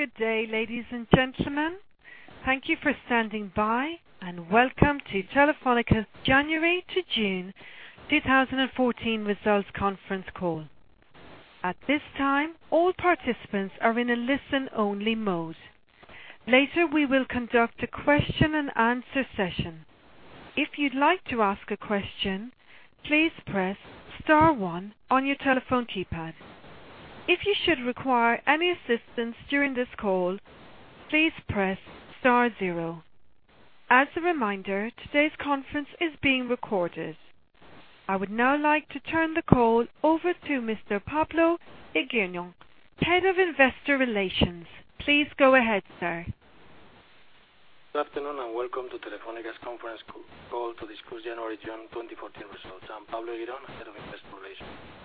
Good day, ladies and gentlemen. Thank you for standing by, and welcome to Telefónica January to June 2014 Results Conference Call. At this time, all participants are in a listen-only mode. Later, we will conduct a question-and-answer session. If you'd like to ask a question, please press star one on your telephone keypad. If you should require any assistance during this call, please press star zero. As a reminder, today's conference is being recorded. I would now like to turn the call over to Mr. Pablo Eguirón, Head of Investor Relations. Please go ahead, sir. Good afternoon, and welcome to Telefónica's conference call to discuss January to June 2014 results. I'm Pablo Eguirón, Head of Investor Relations.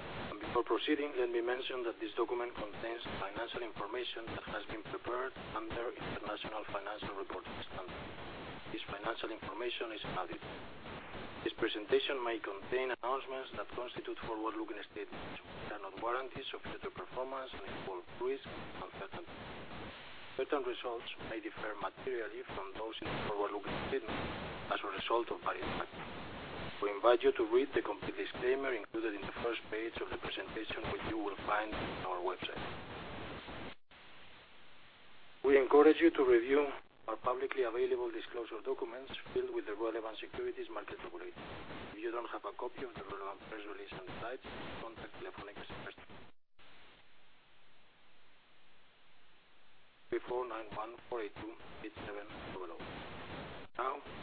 Before proceeding, let me mention that this document contains financial information that has been prepared under International Financial Reporting Standards. This financial information is unaudited. This presentation may contain announcements that constitute forward-looking statements, which are not warranties of future performance and involve risks and uncertainties. Certain results may differ materially from those in the forward-looking statement as a result of various factors. We invite you to read the complete disclaimer included in the first page of the presentation, which you will find on our website. We encourage you to review our publicly available disclosure documents filed with the relevant securities market regulator. If you don't have a copy of the relevant press release on hand, contact Telefónica Investor Relations at +34 91 482 8700.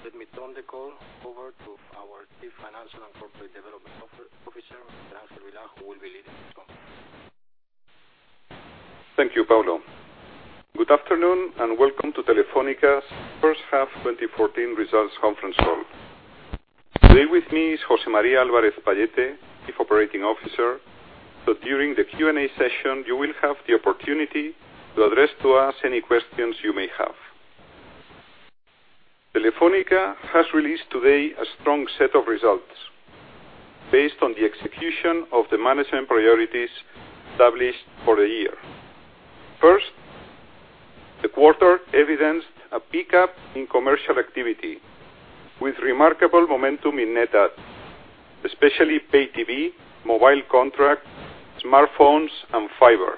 Let me turn the call over to our Chief Financial and Corporate Development Officer, Ángel Vilá, who will be leading this conference. Thank you, Pablo. Good afternoon, and welcome to Telefónica's first half 2014 results conference call. Today with me is José María Álvarez-Pallete, Chief Operating Officer. During the Q&A session, you will have the opportunity to address to us any questions you may have. Telefónica has released today a strong set of results based on the execution of the management priorities established for the year. First, the quarter evidenced a pickup in commercial activity with remarkable momentum in net adds, especially Pay TV, mobile contract, smartphones, and fiber.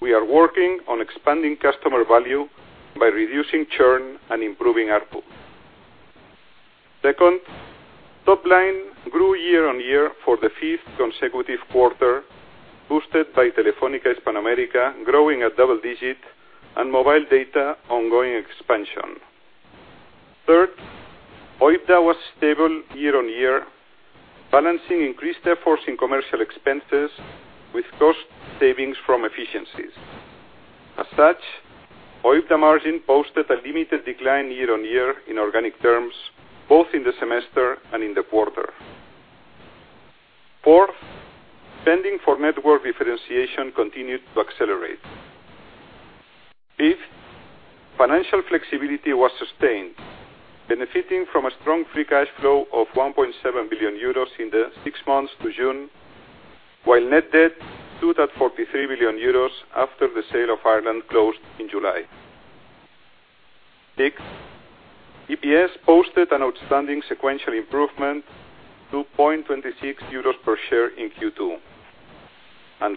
We are working on expanding customer value by reducing churn and improving ARPU. Second, top line grew year-on-year for the fifth consecutive quarter, boosted by Telefónica Hispanoamérica growing at double digit and mobile data ongoing expansion. Third, OIBDA was stable year-on-year, balancing increased efforts in commercial expenses with cost savings from efficiencies. As such, OIBDA margin posted a limited decline year on year in organic terms, both in the semester and in the quarter. Fourth, spending for network differentiation continued to accelerate. Fifth, financial flexibility was sustained, benefiting from a strong free cash flow of 1.7 billion euros in the six months to June, while net debt stood at 43 billion euros after the sale of Ireland closed in July. Sixth, EPS posted an outstanding sequential improvement, 2.26 euros per share in Q2.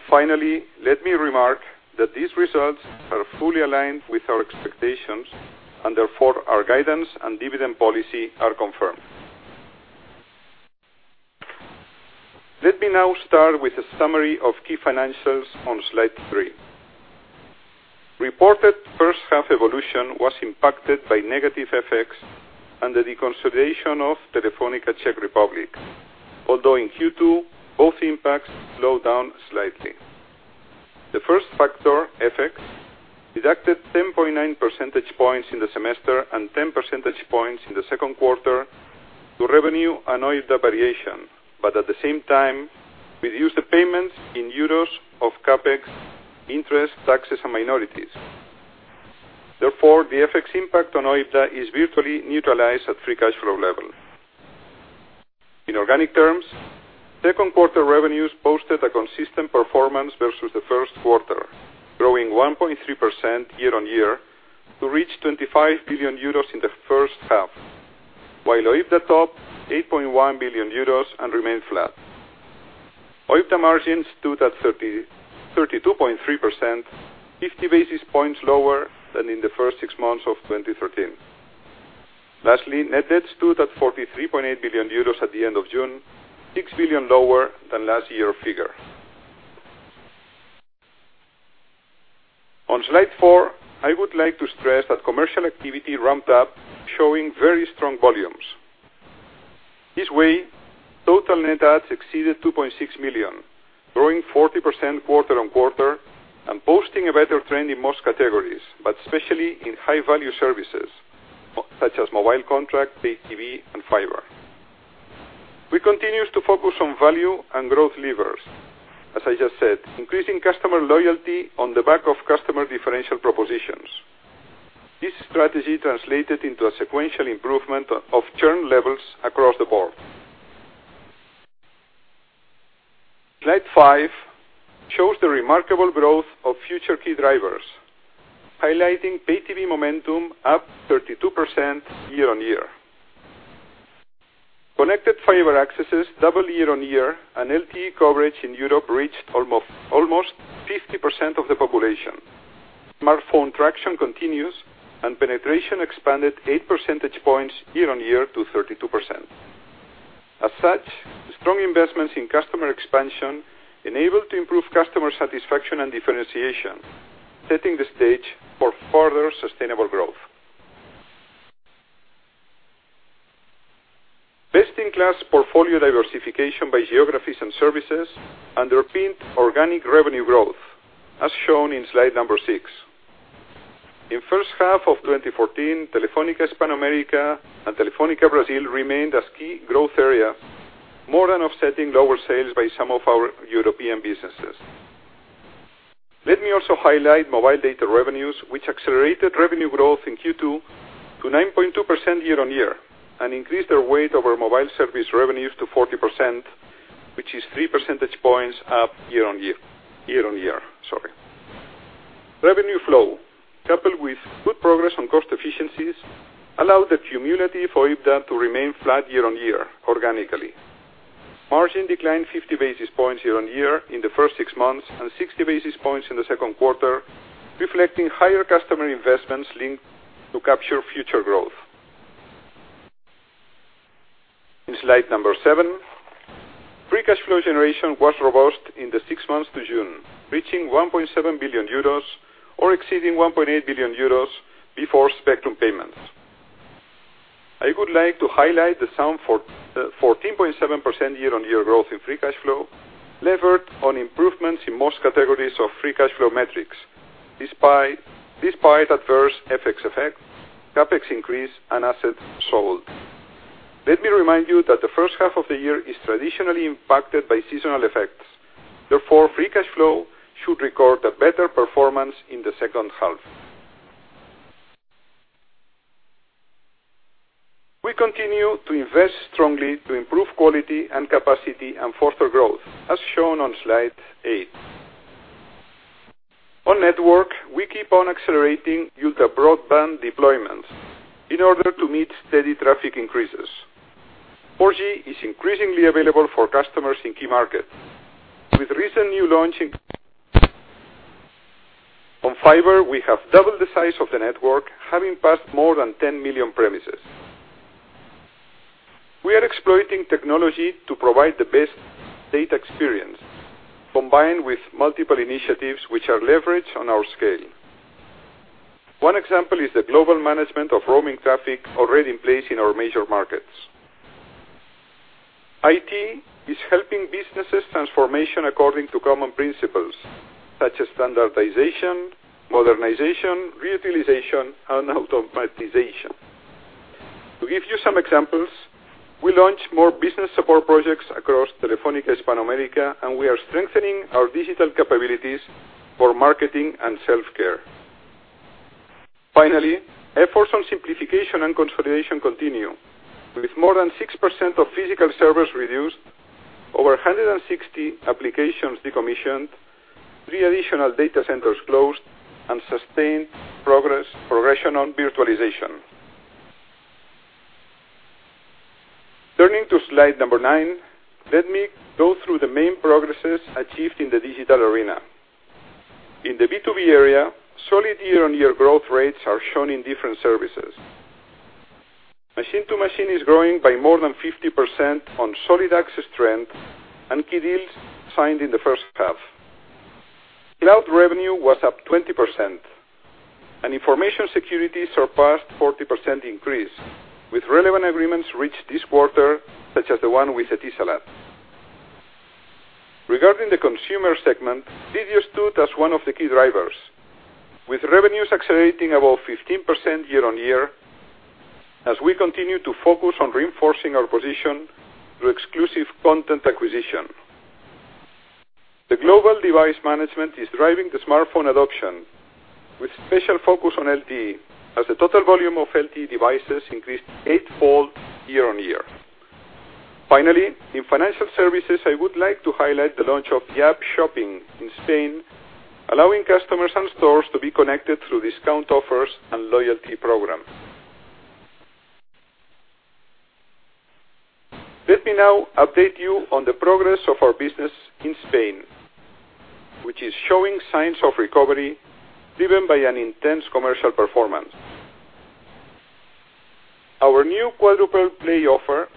Finally, let me remark that these results are fully aligned with our expectations, therefore, our guidance and dividend policy are confirmed. Let me now start with a summary of key financials on slide three. Reported first half evolution was impacted by negative FX and the deconsolidation of Telefónica Czech Republic, although in Q2, both impacts slowed down slightly. The first factor, FX, deducted 10.9 percentage points in the semester and 10 percentage points in the second quarter to revenue and OIBDA variation, but at the same time, reduced the payments in EUR of CapEx, interest, taxes, and minorities. Therefore, the FX impact on OIBDA is virtually neutralized at free cash flow level. In organic terms, second quarter revenues posted a consistent performance versus the first quarter, growing 1.3% year on year to reach 25 billion euros in the first half, while OIBDA topped 8.1 billion euros and remained flat. OIBDA margins stood at 32.3%, 50 basis points lower than in the first six months of 2013. Lastly, net debt stood at 43.8 billion euros at the end of June, six billion lower than last year figure. On slide four, I would like to stress that commercial activity ramped up, showing very strong volumes. This way, total net adds exceeded 2.6 million, growing 40% quarter on quarter and posting a better trend in most categories, but especially in high-value services such as mobile contract, Pay TV, and fiber. We continued to focus on value and growth levers, as I just said, increasing customer loyalty on the back of customer differential propositions. This strategy translated into a sequential improvement of churn levels across the board. Slide five shows the remarkable growth of future key drivers, highlighting Pay TV momentum up 32% year on year. Connected fiber accesses double year on year, and LTE coverage in Europe reached almost 50% of the population. Smartphone traction continues, and penetration expanded eight percentage points year on year to 32%. As such, strong investments in customer expansion enabled to improve customer satisfaction and differentiation, setting the stage for further sustainable growth. Best-in-class portfolio diversification by geographies and services underpinned organic revenue growth, as shown in slide number six. In first half of 2014, Telefónica Hispanoamérica and Telefónica Brasil remained as key growth area, more than offsetting lower sales by some of our European businesses. Let me also highlight mobile data revenues, which accelerated revenue growth in Q2 to 9.2% year on year and increased their weight over mobile service revenues to 40%, which is three percentage points up year on year. Revenue flow, coupled with good progress on cost efficiencies, allowed the community for OIBDA to remain flat year on year organically. Margin declined 50 basis points year on year in the first six months and 60 basis points in the second quarter, reflecting higher customer investments linked to capture future growth. In slide number seven, free cash flow generation was robust in the six months to June, reaching 1.7 billion euros or exceeding 1.8 billion euros before spectrum payments. I would like to highlight the sound for 14.7% year-on-year growth in free cash flow, levered on improvements in most categories of free cash flow metrics, despite adverse FX effects, CapEx increase, and assets sold. Let me remind you that the first half of the year is traditionally impacted by seasonal effects. Therefore, free cash flow should record a better performance in the second half. We continue to invest strongly to improve quality and capacity and foster growth, as shown on Slide eight. On network, we keep on accelerating ultra-broadband deployments in order to meet steady traffic increases. 4G is increasingly available for customers in key markets. With recent new launch in On fiber, we have doubled the size of the network, having passed more than 10 million premises. We are exploiting technology to provide the best data experience, combined with multiple initiatives which are leveraged on our scale. One example is the global management of roaming traffic already in place in our major markets. IT is helping businesses transformation according to common principles such as standardization, modernization, reutilization, and automatization. To give you some examples, we launched more business support projects across Telefónica Hispanoamérica, and we are strengthening our digital capabilities for marketing and self-care. Finally, efforts on simplification and consolidation continue, with more than 6% of physical servers reduced, over 160 applications decommissioned, three additional data centers closed, and sustained progression on virtualization. Turning to slide number nine, let me go through the main progresses achieved in the digital arena. In the B2B area, solid year-on-year growth rates are shown in different services. Machine-to-machine is growing by more than 50% on solid access trend and key deals signed in the first half. Cloud revenue was up 20%, and information security surpassed 40% increase, with relevant agreements reached this quarter, such as the one with Etisalat. Regarding the consumer segment, video stood as one of the key drivers, with revenues accelerating above 15% year on year as we continue to focus on reinforcing our position through exclusive content acquisition. The global device management is driving the smartphone adoption with special focus on LTE as the total volume of LTE devices increased eightfold year on year. Finally, in financial services, I would like to highlight the launch of Yaap Shopping in Spain, allowing customers and stores to be connected through discount offers and loyalty programs. Let me now update you on the progress of our business in Spain, which is showing signs of recovery, driven by an intense commercial performance. Our new quadruple play offer,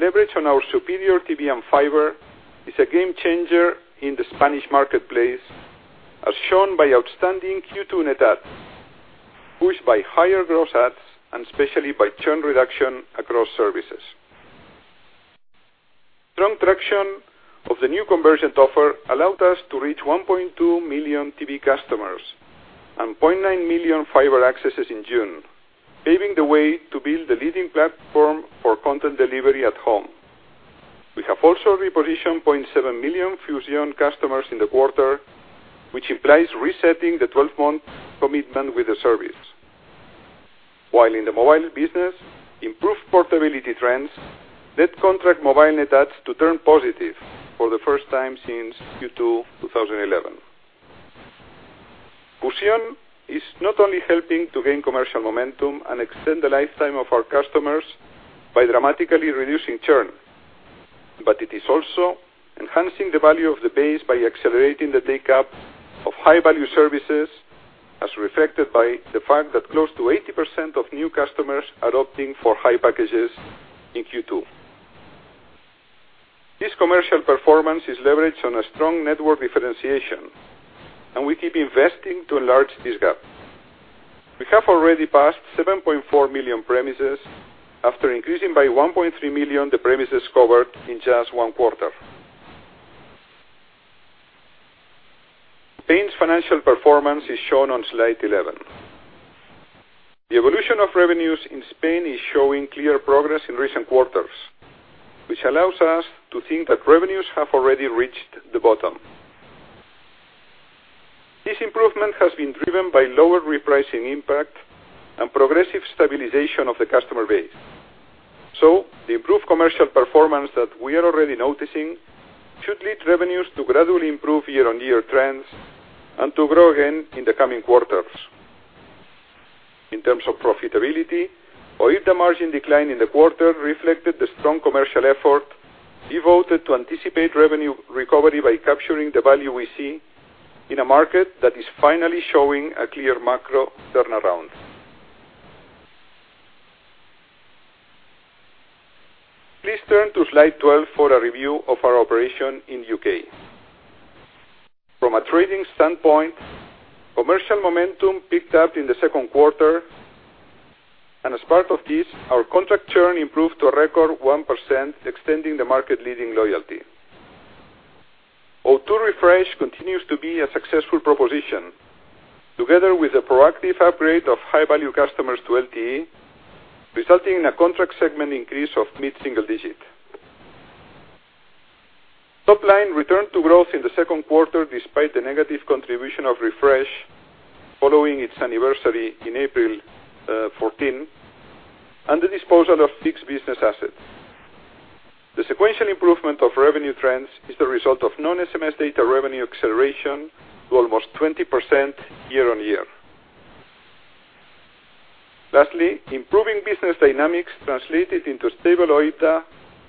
leveraged on our superior TV and fiber, is a game changer in the Spanish marketplace, as shown by outstanding Q2 net adds, pushed by higher gross adds and especially by churn reduction across services. Strong traction of the new convergent offer allowed us to reach 1.2 million TV customers and 0.9 million fiber accesses in June, paving the way to build a leading platform for content delivery at home. Have also repositioned 7 million Fusión customers in the quarter, which implies resetting the 12-month commitment with the service. While in the mobile business, improved portability trends led contract mobile net adds to turn positive for the first time since Q2 2011. Fusión is not only helping to gain commercial momentum and extend the lifetime of our customers by dramatically reducing churn, but it is also enhancing the value of the base by accelerating the take-up of high-value services, as reflected by the fact that close to 80% of new customers adopting for high packages in Q2. This commercial performance is leveraged on a strong network differentiation, and we keep investing to enlarge this gap. We have already passed 7.4 million premises after increasing by 1.3 million the premises covered in just one quarter. Spain's financial performance is shown on slide 11. The evolution of revenues in Spain is showing clear progress in recent quarters, which allows us to think that revenues have already reached the bottom. This improvement has been driven by lower repricing impact and progressive stabilization of the customer base. The improved commercial performance that we are already noticing should lead revenues to gradually improve year-on-year trends and to grow again in the coming quarters. In terms of profitability, OIBDA margin decline in the quarter reflected the strong commercial effort devoted to anticipate revenue recovery by capturing the value we see in a market that is finally showing a clear macro turnaround. Please turn to slide 12 for a review of our operation in the U.K. From a trading standpoint, commercial momentum picked up in the second quarter, and as part of this, our contract churn improved to a record 1%, extending the market-leading loyalty. O2 Refresh continues to be a successful proposition, together with the proactive upgrade of high-value customers to LTE, resulting in a contract segment increase of mid-single digit. Top line returned to growth in the second quarter despite the negative contribution of Refresh following its anniversary in April 2014, and the disposal of fixed business assets. The sequential improvement of revenue trends is the result of non-SMS data revenue acceleration to almost 20% year-on-year. Lastly, improving business dynamics translated into stable OIBDA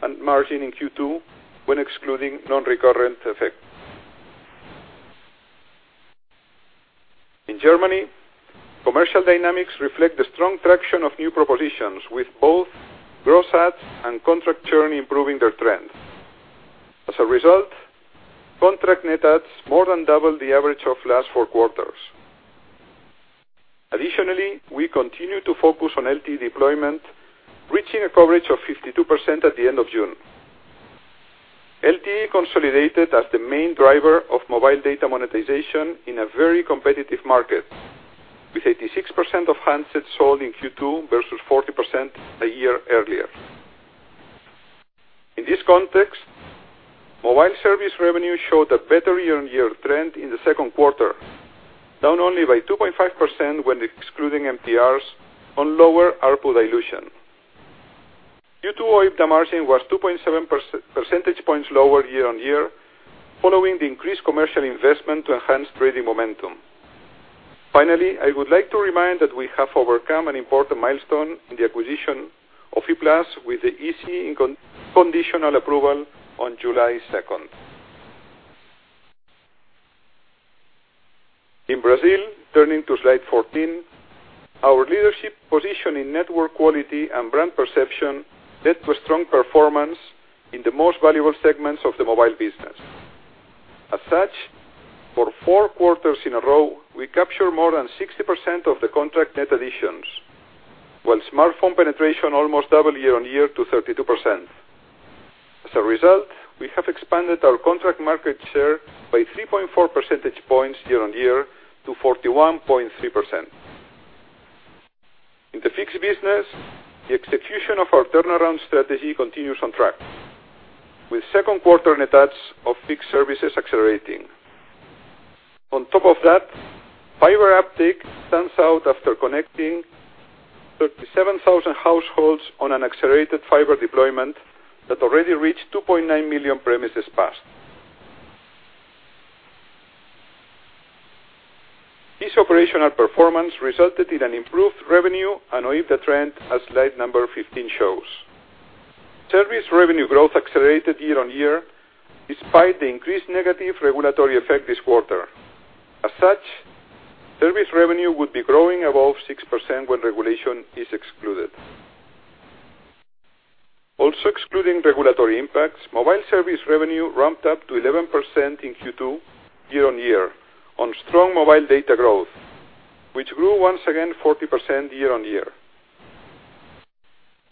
and margin in Q2 when excluding non-recurrent effects. In Germany, commercial dynamics reflect the strong traction of new propositions, with both gross adds and contract churn improving their trend. As a result, contract net adds more than double the average of last four quarters. Additionally, we continue to focus on LTE deployment, reaching a coverage of 52% at the end of June. LTE consolidated as the main driver of mobile data monetization in a very competitive market, with 86% of handsets sold in Q2 versus 40% a year earlier. In this context, mobile service revenue showed a better year-on-year trend in the second quarter, down only by 2.5% when excluding MTRs on lower ARPU dilution. Q2 OIBDA margin was 2.7 percentage points lower year-on-year, following the increased commercial investment to enhance trading momentum. Finally, I would like to remind that we have overcome an important milestone in the acquisition of E-Plus with the EC conditional approval on July 2nd. In Brazil, turning to slide 14, our leadership position in network quality and brand perception led to a strong performance in the most valuable segments of the mobile business. As such, for four quarters in a row, we captured more than 60% of the contract net additions, while smartphone penetration almost doubled year-on-year to 32%. As a result, we have expanded our contract market share by 3.4 percentage points year-on-year to 41.3%. In the fixed business, the execution of our turnaround strategy continues on track, with second quarter net adds of fixed services accelerating. On top of that, fiber uptake stands out after connecting 37,000 households on an accelerated fiber deployment that already reached 2.9 million premises passed. This operational performance resulted in an improved revenue and OIBDA trend as slide number 15 shows. Service revenue growth accelerated year-on-year despite the increased negative regulatory effect this quarter. As such, service revenue would be growing above 6% when regulation is excluded. Also excluding regulatory impacts, mobile service revenue ramped up to 11% in Q2 year-on-year on strong mobile data growth, which grew once again 40% year-on-year.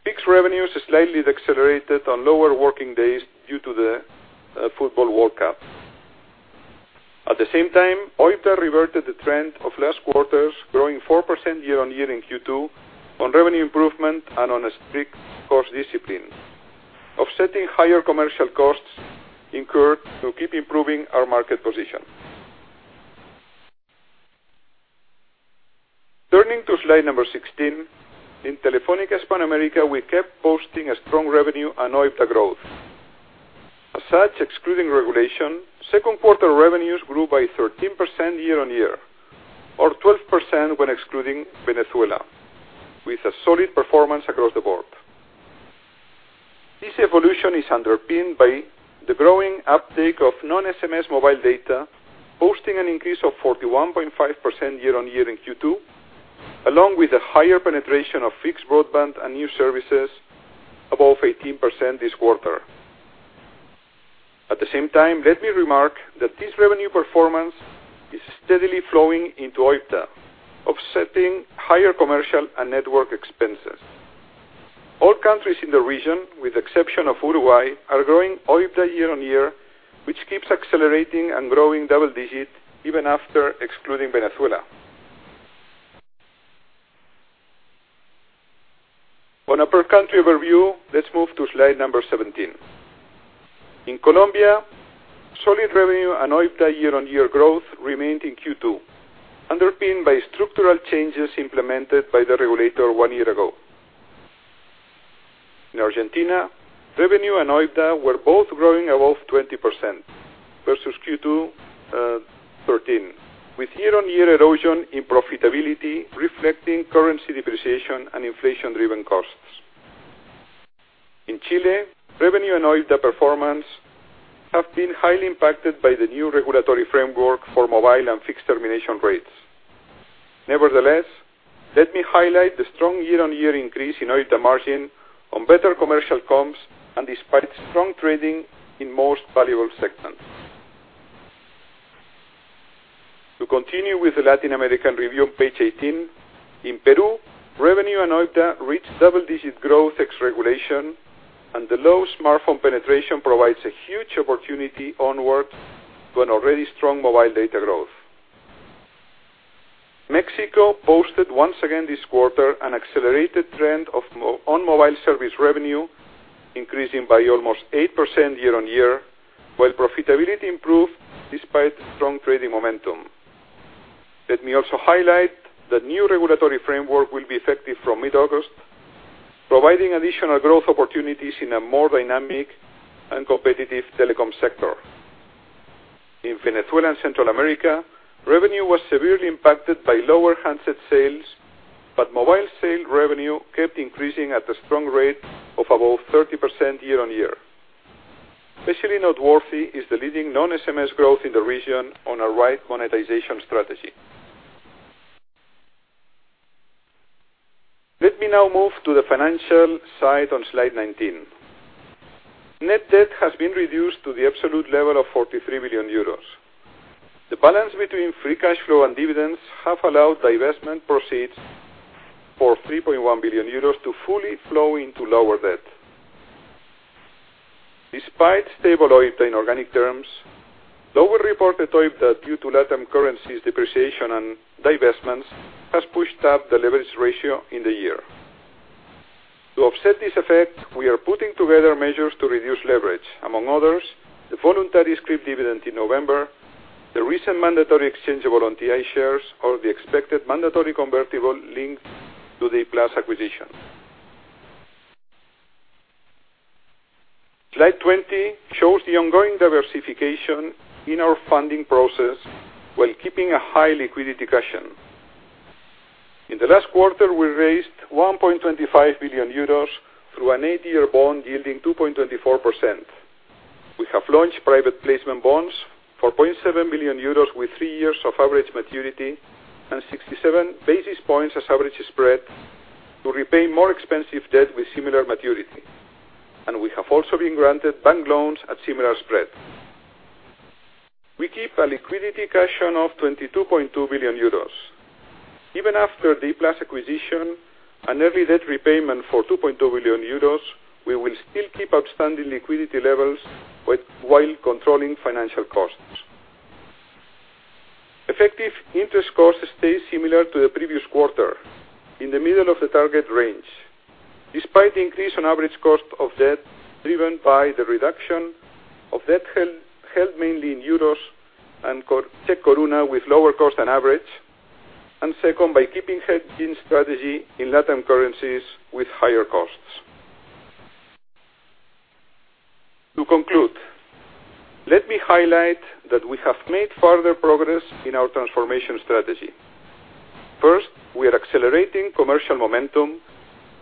Fixed revenues slightly accelerated on lower working days due to the Football World Cup. At the same time, OIBDA reverted the trend of last quarters, growing 4% year-on-year in Q2 on revenue improvement and on a strict cost discipline, offsetting higher commercial costs incurred to keep improving our market position. Turning to slide number 16, in Telefónica Hispanoamérica, we kept posting a strong revenue and OIBDA growth. As such, excluding regulation, second quarter revenues grew by 13% year-on-year or 12% when excluding Venezuela, with a solid performance across the board. This evolution is underpinned by the growing uptake of non-SMS mobile data, posting an increase of 41.5% year-on-year in Q2, along with a higher penetration of fixed broadband and new services above 18% this quarter. At the same time, let me remark that this revenue performance is steadily flowing into OIBDA, offsetting higher commercial and network expenses. All countries in the region, with exception of Uruguay, are growing OIBDA year-on-year, which keeps accelerating and growing double digit even after excluding Venezuela. On a per-country overview, let's move to slide number 17. In Colombia, solid revenue and OIBDA year-on-year growth remained in Q2, underpinned by structural changes implemented by the regulator one year ago. In Argentina, revenue and OIBDA were both growing above 20% versus Q2 2013, with year-on-year erosion in profitability reflecting currency depreciation and inflation-driven costs. In Chile, revenue and OIBDA performance have been highly impacted by the new regulatory framework for mobile and fixed termination rates. Nevertheless, let me highlight the strong year-on-year increase in OIBDA margin on better commercial comps and despite strong trading in most valuable segments. To continue with the Latin American review on page 18, in Peru, revenue and OIBDA reached double-digit growth ex regulation, and the low smartphone penetration provides a huge opportunity onwards to an already strong mobile data growth. Mexico posted once again this quarter an accelerated trend on mobile service revenue, increasing by almost 8% year-on-year, while profitability improved despite strong trading momentum. Let me also highlight the new regulatory framework will be effective from mid-August, providing additional growth opportunities in a more dynamic and competitive telecom sector. In Venezuela and Central America, revenue was severely impacted by lower handset sales, but mobile sale revenue kept increasing at a strong rate of above 30% year-on-year. Especially noteworthy is the leading non-SMS growth in the region on a right monetization strategy. Let me now move to the financial side on slide 19. Net debt has been reduced to the absolute level of 43 billion euros. The balance between free cash flow and dividends have allowed divestment proceeds for 3.1 billion euros to fully flow into lower debt. Despite stable OIBDA in organic terms, lower reported OIBDA due to LatAm currencies depreciation and divestments has pushed up the leverage ratio in the year. To offset this effect, we are putting together measures to reduce leverage, among others, the voluntary scrip dividend in November, the recent mandatory exchange of voluntary shares or the expected mandatory convertible linked to the Plus acquisition. Slide 20 shows the ongoing diversification in our funding process while keeping a high liquidity cushion. In the last quarter, we raised 1.25 billion euros through an eight-year bond yielding 2.24%. We have launched private placement bonds for 7 million euros with three years of average maturity and 67 basis points as average spread to repay more expensive debt with similar maturity. We have also been granted bank loans at similar spread. We keep a liquidity cushion of 22.2 billion euros. Even after the Plus acquisition and every debt repayment for 2.2 billion euros, we will still keep outstanding liquidity levels while controlling financial costs. Effective interest costs stay similar to the previous quarter in the middle of the target range, despite the increase on average cost of debt driven by the reduction of debt held mainly in euros and Czech koruna with lower cost on average, and second, by keeping hedging strategy in LatAm currencies with higher costs. To conclude, let me highlight that we have made further progress in our transformation strategy. First, we are accelerating commercial momentum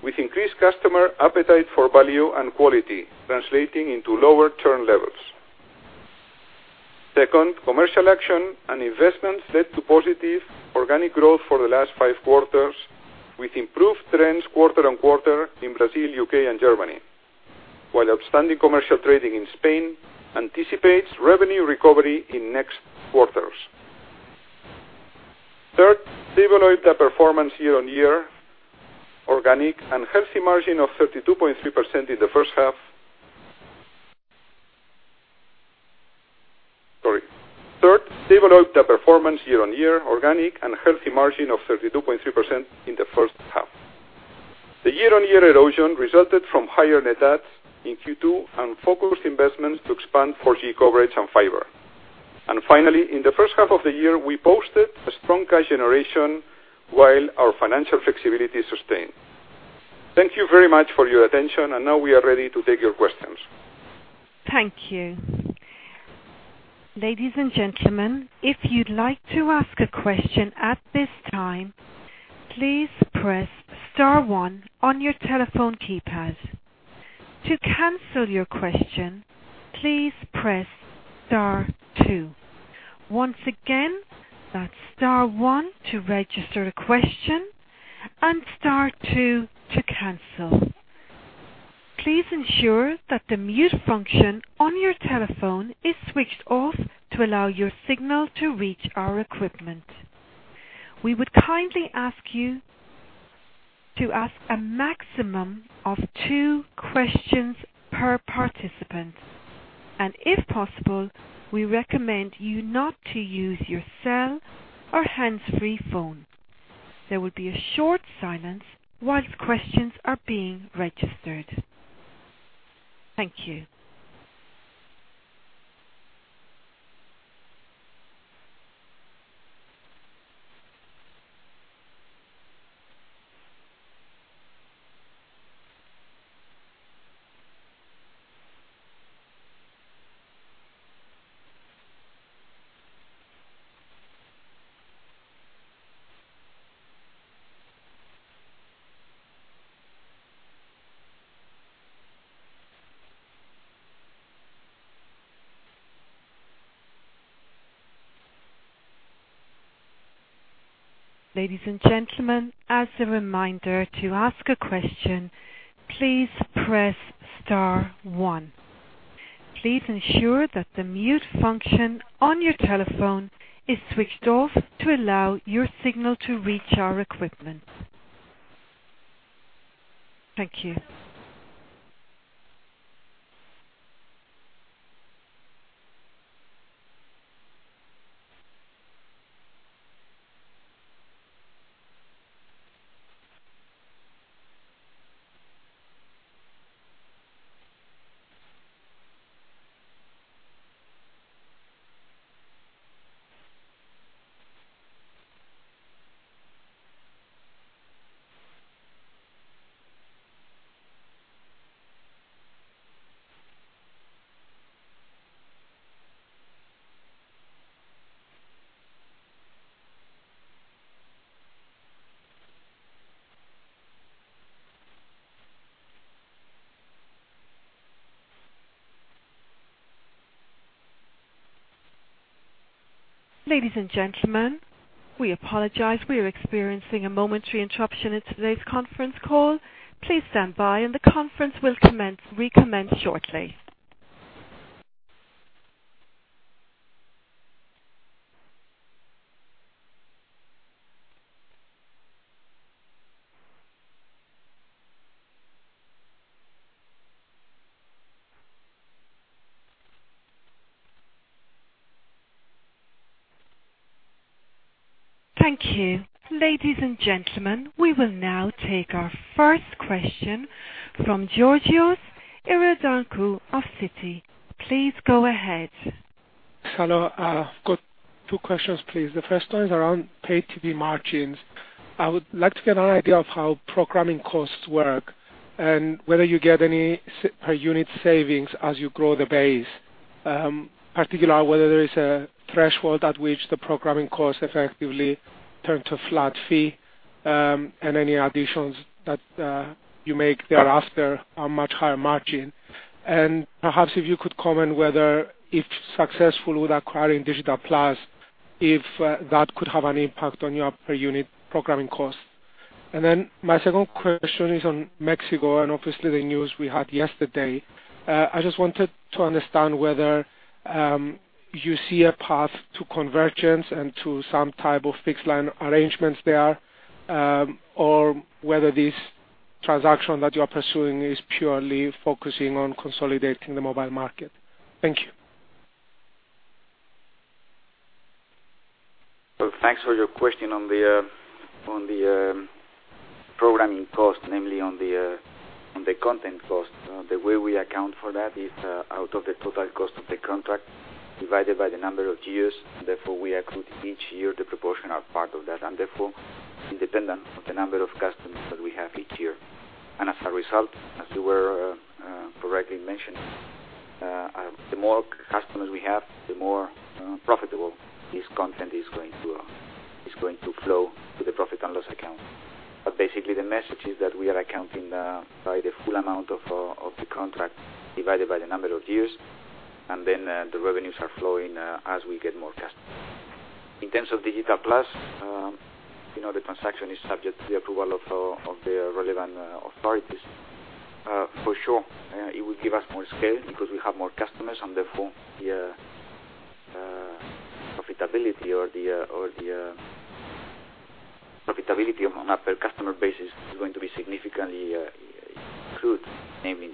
with increased customer appetite for value and quality, translating into lower churn levels. Second, commercial action and investments led to positive organic growth for the last five quarters with improved trends quarter-on-quarter in Brazil, U.K., and Germany. Outstanding commercial trading in Spain anticipates revenue recovery in next quarters. Stable OIBDA performance year-on-year, organic and healthy margin of 32.3% in the first half. Sorry. Third, stable OIBDA performance year-on-year, organic and healthy margin of 32.3% in the first half. The year-on-year erosion resulted from higher net adds in Q2 and focused investments to expand 4G coverage and fiber. Finally, in the first half of the year, we posted a strong cash generation while our financial flexibility sustained. Thank you very much for your attention, and now we are ready to take your questions. Thank you. Ladies and gentlemen, if you'd like to ask a question at this time, please press star one on your telephone keypad. To cancel your question, please press star two. Once again, that's star one to register a question and star two to cancel. Please ensure that the mute function on your telephone is switched off to allow your signal to reach our equipment. We would kindly ask you to ask a maximum of two questions per participant. If possible, we recommend you not to use your cell or hands-free phone. There will be a short silence whilst questions are being registered. Thank you. Ladies and gentlemen, as a reminder, to ask a question, please press star one. Please ensure that the mute function on your telephone is switched off to allow your signal to reach our equipment. Thank you. Ladies and gentlemen, we apologize. We are experiencing a momentary interruption in today's conference call. Please stand by, the conference will recommence shortly. Thank you. Ladies and gentlemen, we will now take our first question from Georgios Ierodiaconou of Citi. Please go ahead. Hello. I've got two questions, please. The first one is around pay TV margins. I would like to get an idea of how programming costs work and whether you get any per unit savings as you grow the base. Particularly, whether there is a threshold at which the programming costs effectively turn to flat fee, any additions that you make thereafter are much higher margin. Perhaps if you could comment whether, if successful with acquiring Digital+, if that could have an impact on your per unit programming cost. My second question is on Mexico and obviously the news we had yesterday. I just wanted to understand whether you see a path to convergence and to some type of fixed line arrangements there, or whether this transaction that you are pursuing is purely focusing on consolidating the mobile market. Thank you. Thanks for your question on the programming cost, namely on the content cost. The way we account for that is out of the total cost of the contract divided by the number of years, therefore, we accrue each year the proportional part of that, therefore, independent of the number of customers that we have each year. As a result, as you correctly mentioned, the more customers we have, the more profitable this content is going to flow to the profit and loss account. Basically, the message is that we are accounting by the full amount of the contract divided by the number of years, the revenues are flowing as we get more customers. In terms of Digital+, the transaction is subject to the approval of the relevant authorities. For sure. It will give us more scale because we have more customers, therefore, the profitability on an upper customer basis is going to be significantly improved, namely in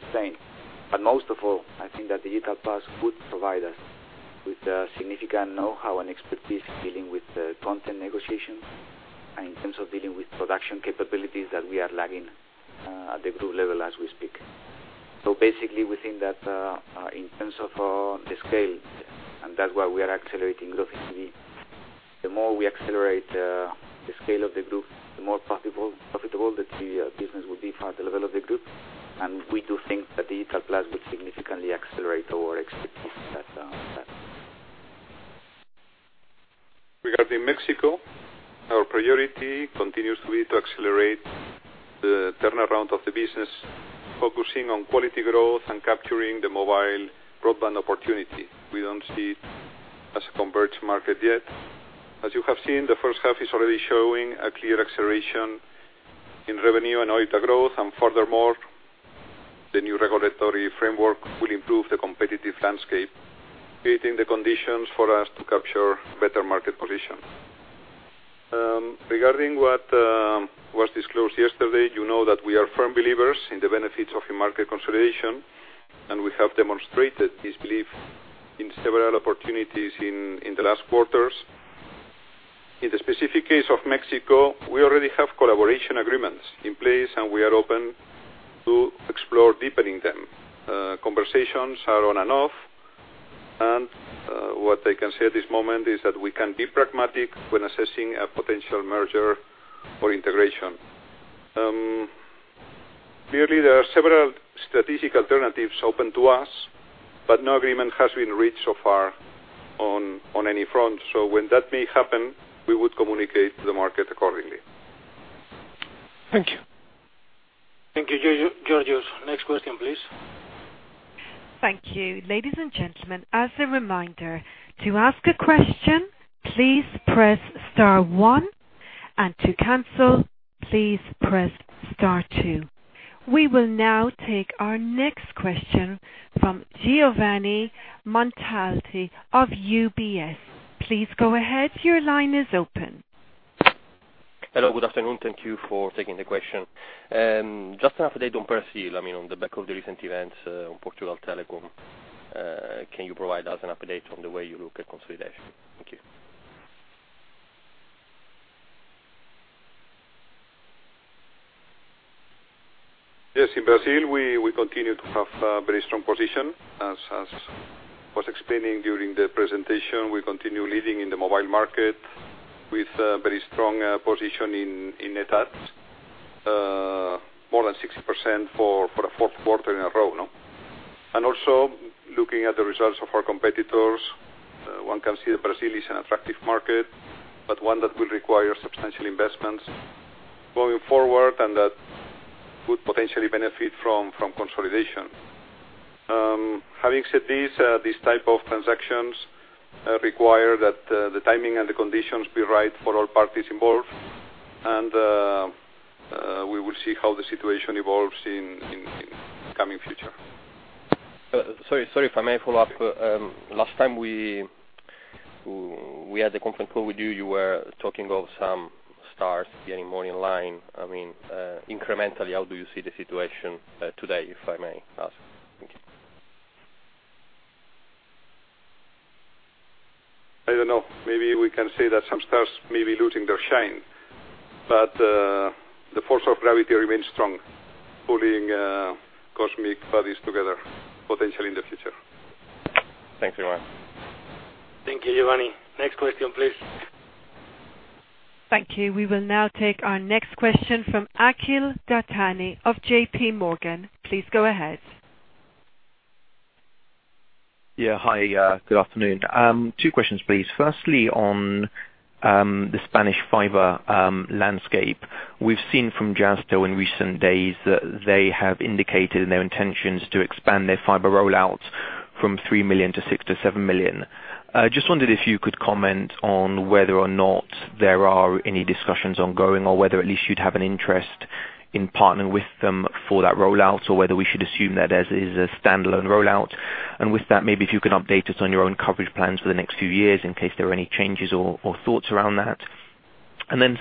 Spain. Most of all, I think that Digital+ would provide us with significant know-how and expertise dealing with content negotiations and in terms of dealing with production capabilities that we are lagging at the group level as we speak. Basically, we think that in terms of the scale, and that's why we are accelerating growth in TV. The more we accelerate the scale of the group, the more profitable the TV business will be at the level of the group. We do think that Digital+ would significantly accelerate our expertise at that point. Regarding Mexico, our priority continues to be to accelerate the turnaround of the business, focusing on quality growth and capturing the mobile broadband opportunity. We don't see it as a converged market yet. As you have seen, the first half is already showing a clear acceleration in revenue and OIBDA growth. Furthermore, the new regulatory framework will improve the competitive landscape, creating the conditions for us to capture better market position. Regarding what was disclosed yesterday, you know that we are firm believers in the benefits of a market consolidation, and we have demonstrated this belief in several opportunities in the last quarters. In the specific case of Mexico, we already have collaboration agreements in place, and we are open to explore deepening them. Conversations are on and off, and what I can say at this moment is that we can be pragmatic when assessing a potential merger or integration. Clearly, there are several strategic alternatives open to us, but no agreement has been reached so far on any front. When that may happen, we would communicate to the market accordingly. Thank you. Thank you, Georgios. Next question, please. Thank you. Ladies and gentlemen, as a reminder, to ask a question, please press star one, and to cancel, please press star two. We will now take our next question from Giovanni Montalti of UBS. Please go ahead. Your line is open. Hello, good afternoon. Thank you for taking the question. Just an update on Brazil, on the back of the recent events on Portugal Telecom, can you provide us an update on the way you look at consolidation? Thank you. Yes, in Brazil, we continue to have a very strong position. As I was explaining during the presentation, we continue leading in the mobile market with a very strong position in net adds, more than 60% for the fourth quarter in a row. Also, looking at the results of our competitors, one can see that Brazil is an attractive market, but one that will require substantial investments going forward and that could potentially benefit from consolidation. Having said this, these type of transactions require that the timing and the conditions be right for all parties involved. We will see how the situation evolves in coming future. Sorry, if I may follow up. Last time we had a conference call with you were talking of some stars getting more in line. Incrementally, how do you see the situation today, if I may ask? Thank you. I don't know. Maybe we can say that some stars may be losing their shine. The force of gravity remains strong, pulling cosmic bodies together, potentially in the future. Thanks very much. Thank you, Giovanni. Next question, please. Thank you. We will now take our next question from Akhil Dattani of JPMorgan. Please go ahead. Yeah. Hi, good afternoon. Two questions, please. Firstly, on the Spanish fiber landscape. We've seen from Jazztel in recent days that they have indicated in their intentions to expand their fiber rollout from 3 million to 6 million-7 million. Just wondered if you could comment on whether or not there are any discussions ongoing or whether at least you'd have an interest in partnering with them for that rollout, or whether we should assume that as is a standalone rollout. With that, maybe if you can update us on your own coverage plans for the next few years in case there are any changes or thoughts around that.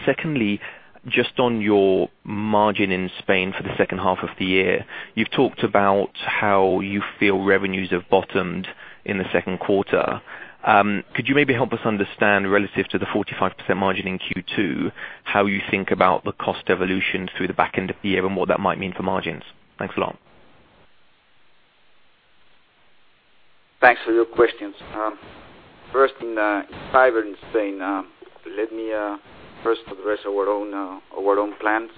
Secondly, just on your margin in Spain for the second half of the year. You've talked about how you feel revenues have bottomed in the second quarter. Could you maybe help us understand, relative to the 45% margin in Q2, how you think about the cost evolution through the back end of the year and what that might mean for margins? Thanks a lot. Thanks for your questions. First, in fiber in Spain, let me first address our own plans,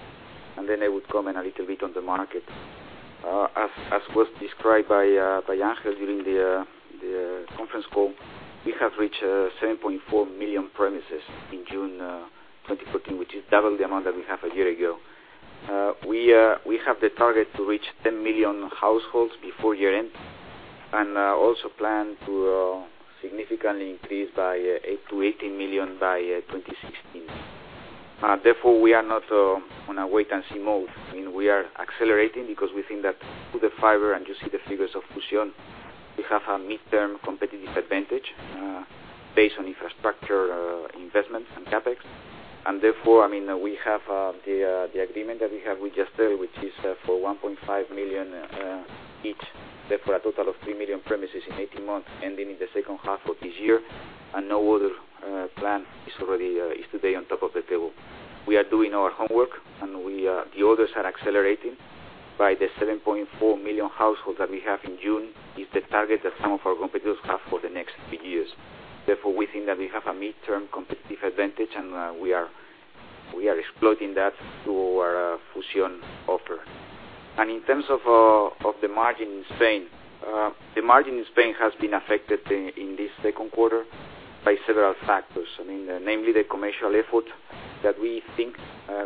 and then I would comment a little bit on the market. As was described by Ángel during the conference call, we have reached 7.4 million premises in June 2014, which is double the amount that we had a year ago. We have the target to reach 10 million households before year end and also plan to significantly increase to 18 million by 2016. Therefore, we are not on a wait-and-see mode. We are accelerating because we think that with the fiber, and you see the figures of Fusión, we have a mid-term competitive advantage based on infrastructure investments and CapEx. Therefore, we have the agreement that we have with Jazztel, which is for 1.5 million each, therefore a total of 3 million premises in 18 months ending in the second half of this year. No other plan is today on top of the table. We are doing our homework. The orders are accelerating. By the 7.4 million households that we have in June is the target that some of our competitors have for the next 3 years. We think that we have a mid-term competitive advantage. We are exploiting that through our Fusión offer. In terms of the margin in Spain. The margin in Spain has been affected in this second quarter by several factors. Namely, the commercial effort that we think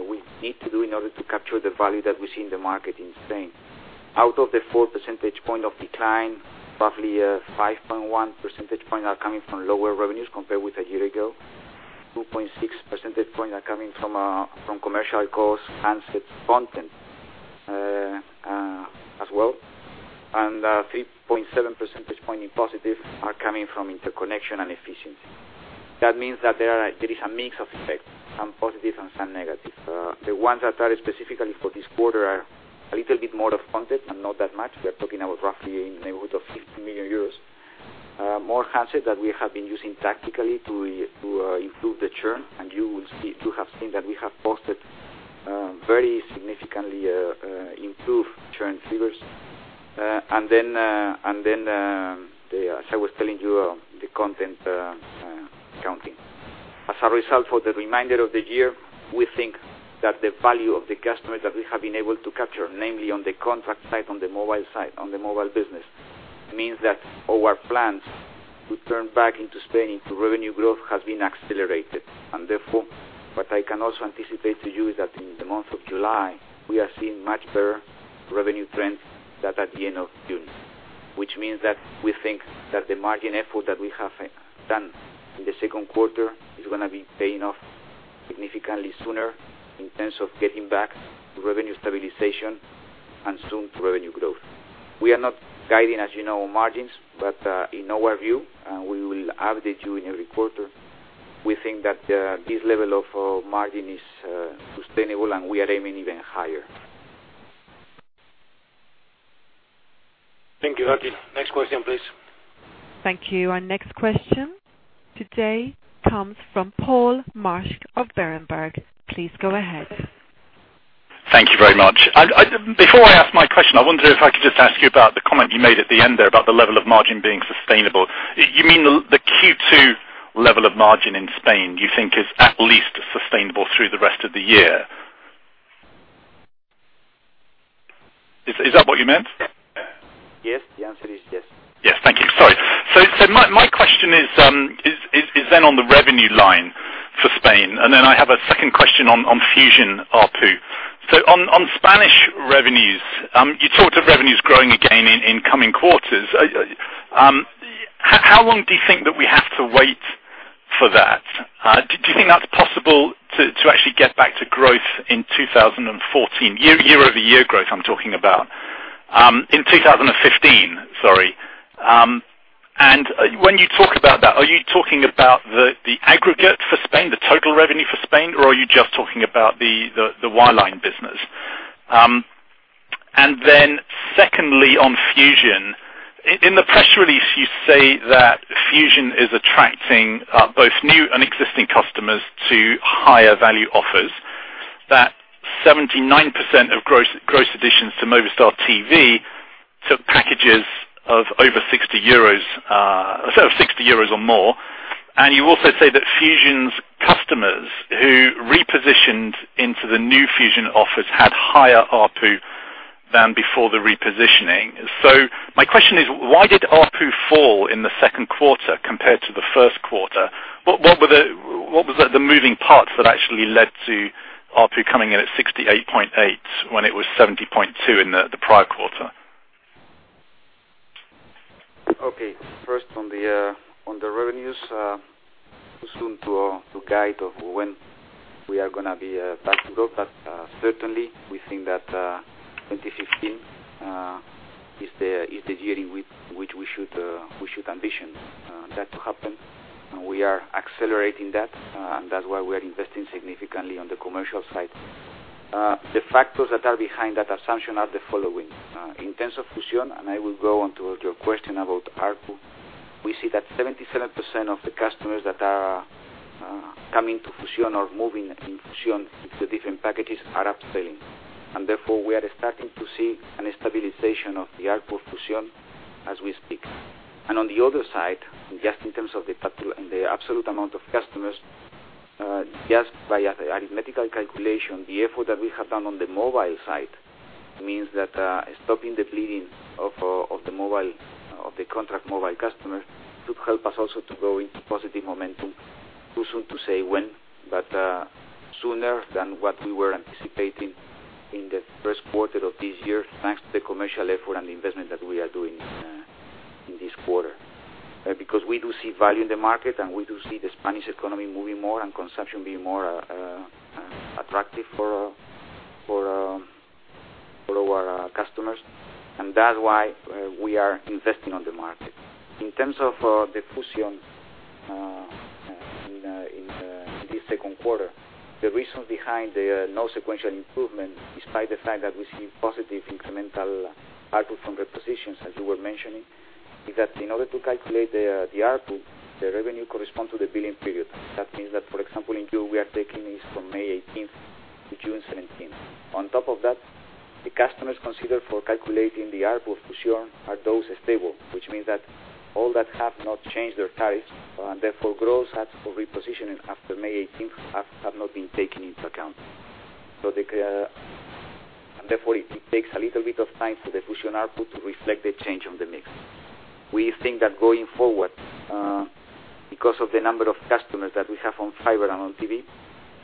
we need to do in order to capture the value that we see in the market in Spain. Out of the 4 percentage point of decline, roughly 5.1 percentage point are coming from lower revenues compared with a year ago, 2.6 percentage point are coming from commercial costs, handset content as well, 3.7 percentage point in positive are coming from interconnection and efficiency. That means that there is a mix of effects, some positive and some negative. The ones that are specifically for this quarter are a little bit more of content and not that much. We are talking about roughly in the neighborhood of 50 million euros. More handsets that we have been using tactically to improve the churn. You would have seen that we have posted very significantly improved churn figures. Then, as I was telling you, the content counting. As a result, for the remainder of the year, we think that the value of the customer that we have been able to capture, namely on the contract side, on the mobile side, on the mobile business, means that our plans to turn back into Spain into revenue growth has been accelerated. Therefore, what I can also anticipate to you is that in the month of July, we are seeing much better revenue trends than at the end of June. Which means that we think that the margin effort that we have done in the second quarter is going to be paying off significantly sooner in terms of getting back revenue stabilization. Soon, revenue growth. We are not guiding, as you know, margins. In our view, we will update you in every quarter. We think that this level of margin is sustainable. We are aiming even higher. Thank you, José. Next question, please. Thank you. Our next question today comes from Paul Marsch of Berenberg. Please go ahead. Thank you very much. Before I ask my question, I wonder if I could just ask you about the comment you made at the end there about the level of margin being sustainable. You mean the Q2 level of margin in Spain, you think is at least sustainable through the rest of the year. Is that what you meant? Yes. The answer is yes. Yes. Thank you. Sorry. My question is on the revenue line for Spain. I have a second question on Fusión ARPU. You talked of revenues growing again in coming quarters. How long do you think that we have to wait for that? Do you think that is possible to actually get back to growth in 2014? Year-over-year growth, I am talking about. In 2015, sorry. When you talk about that, are you talking about the aggregate for Spain, the total revenue for Spain, or are you just talking about the wireline business? Secondly, on Fusión. In the press release, you say that Fusión is attracting both new and existing customers to higher value offers, that 79% of gross additions to Movistar TV took packages of 60 euros or more. You also say that Fusión's customers who repositioned into the new Fusión offers had higher ARPU than before the repositioning. My question is, why did ARPU fall in the second quarter compared to the first quarter? What were the moving parts that actually led to ARPU coming in at 68.8 when it was 70.2 in the prior quarter? Okay. First, on the revenues. Too soon to guide of when we are going to be back to growth, certainly, we think that 2015 is the year in which we should ambition that to happen. We are accelerating that is why we are investing significantly on the commercial side. The factors that are behind that assumption are the following. In terms of Fusión, I will go on to your question about ARPU, we see that 77% of the customers that are coming to Fusión or moving in Fusión to different packages are upselling. Therefore, we are starting to see a stabilization of the ARPU Fusión as we speak. On the other side, just in terms of the absolute amount of customers, just by a mathematical calculation, the effort that we have done on the mobile side means that stopping the bleeding of the contract mobile customer could help us also to go into positive momentum. Too soon to say when, sooner than what we were anticipating in the first quarter of this year, thanks to the commercial effort and investment that we are doing. In this quarter. We do see value in the market, we do see the Spanish economy moving more consumption being more attractive for our customers. That is why we are investing on the market. In terms of the Fusión in this second quarter, the reason behind the no sequential improvement, despite the fact that we see positive incremental output from the positions as you were mentioning, is that in order to calculate the output, the revenue corresponds to the billing period. That means that, for example, in Q, we are taking this from May 18th to June 17th. On top of that, the customers considered for calculating the output Fusión are those stable, which means that all that have not changed their tariffs, and therefore gross adds for repositioning after May 18th have not been taken into account. Therefore, it takes a little bit of time for the Fusión output to reflect the change on the mix. We think that going forward, because of the number of customers that we have on fiber and on TV,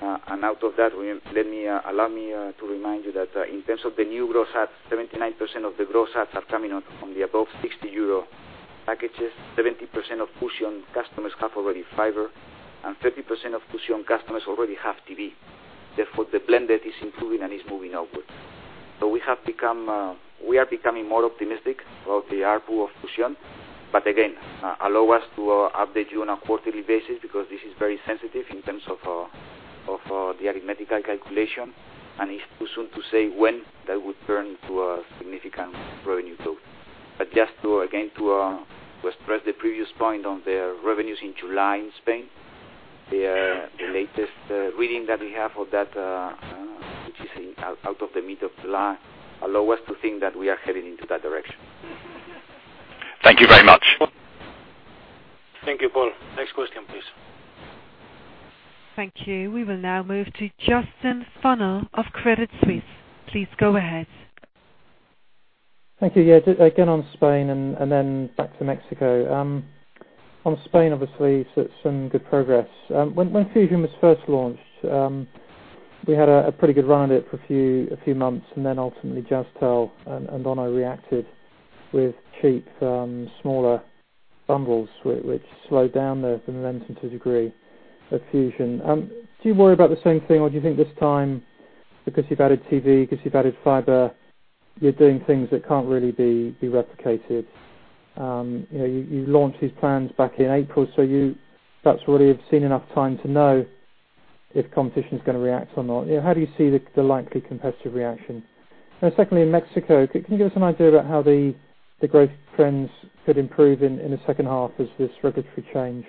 out of that, allow me to remind you that in terms of the new gross adds, 79% of the gross adds are coming on from the above 60 euro packages. 70% of Fusión customers have already fiber, and 30% of Fusión customers already have TV. Therefore, the blended is improving and is moving upward. We are becoming more optimistic of the output of Fusión. Again, allow us to update you on a quarterly basis because this is very sensitive in terms of the arithmetical calculation, and it's too soon to say when that would turn into a significant revenue tool. Just to, again, to express the previous point on the revenues in July in Spain, the latest reading that we have of that, which is out of the mid of July, allow us to think that we are heading into that direction. Thank you very much. Thank you, Paul. Next question, please. Thank you. We will now move to Justin Funnell of Credit Suisse. Please go ahead. Thank you. Yeah, again, on Spain and then back to Mexico. On Spain, obviously, some good progress. When Fusión was first launched, we had a pretty good run at it for a few months, and then ultimately Jazztel and Ono reacted with cheap, smaller bundles, which slowed down the momentum to a degree of Fusión. Do you worry about the same thing, or do you think this time because you've added TV, because you've added fiber, you're doing things that can't really be replicated? You launched these plans back in April, so you perhaps already have seen enough time to know if competition is going to react or not. How do you see the likely competitive reaction? Secondly, in Mexico, can you give us an idea about how the growth trends could improve in the second half as this regulatory change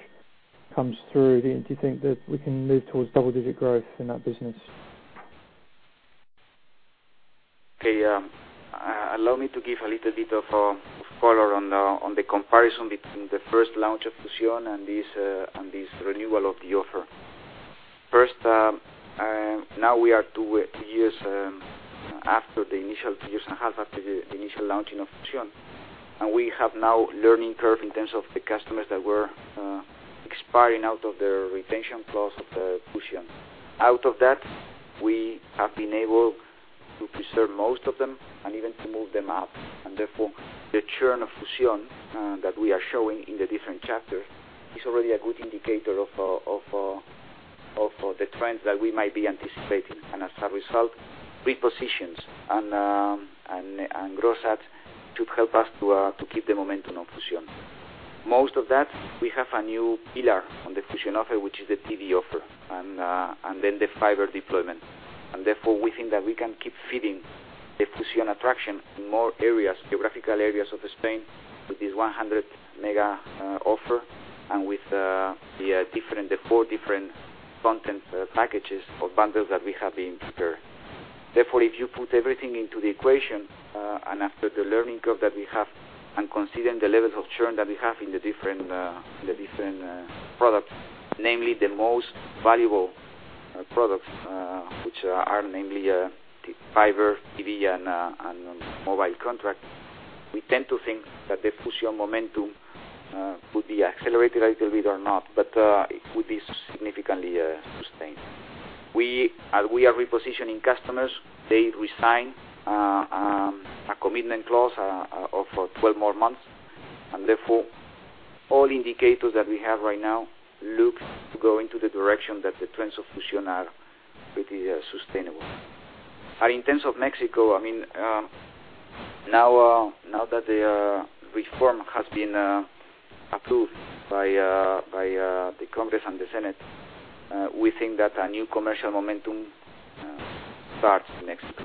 comes through? Do you think that we can move towards double-digit growth in that business? Okay. Allow me to give a little bit of color on the comparison between the first launching of Fusión and this renewal of the offer. First, now we are two years and a half after the initial launching of Fusión, and we have now learning curve in terms of the customers that were expiring out of their retention clause of the Fusión. Out of that, we have been able to preserve most of them and even to move them up. Therefore, the churn of Fusión that we are showing in the different chapters is already a good indicator of the trends that we might be anticipating. As a result, repositions and gross adds to help us to keep the momentum on Fusión. Most of that, we have a new pillar on the Fusión offer, which is the TV offer, and then the fiber deployment. Therefore, we think that we can keep feeding the Fusión attraction in more geographical areas of Spain with this 100-mega offer and with the four different content packages or bundles that we have been prepared. Therefore, if you put everything into the equation, and after the learning curve that we have, and considering the levels of churn that we have in the different products, namely the most valuable products, which are namely fiber, TV, and mobile contract, we tend to think that the Fusión momentum would be accelerated a little bit or not, but it would be significantly sustained. We are repositioning customers. They resign a commitment clause of 12 more months, and therefore all indicators that we have right now look to go into the direction that the trends of Fusión are pretty sustainable. In terms of Mexico, now that the reform has been approved by the Congress and the Senate, we think that a new commercial momentum starts in Mexico.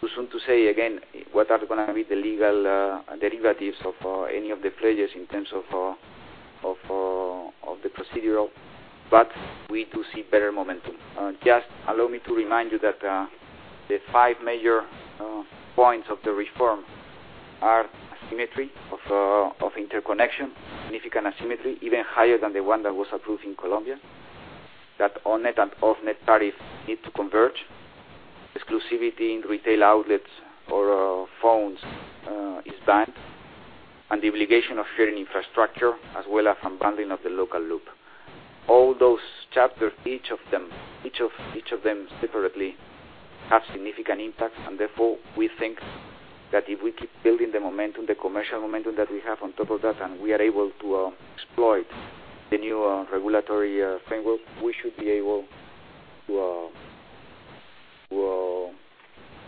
Too soon to say again, what are going to be the legal derivatives of any of the pledges in terms of the procedural, but we do see better momentum. Just allow me to remind you that the five major points of the reform are asymmetry of interconnection, significant asymmetry, even higher than the one that was approved in Colombia. That on-net and off-net tariffs need to converge. Exclusivity in retail outlets or phones is banned, and the obligation of sharing infrastructure as well as unbundling of the local loop. All those chapters, each of them separately have significant impacts, and therefore we think that if we keep building the momentum, the commercial momentum that we have on top of that, and we are able to exploit the new regulatory framework, we should be able to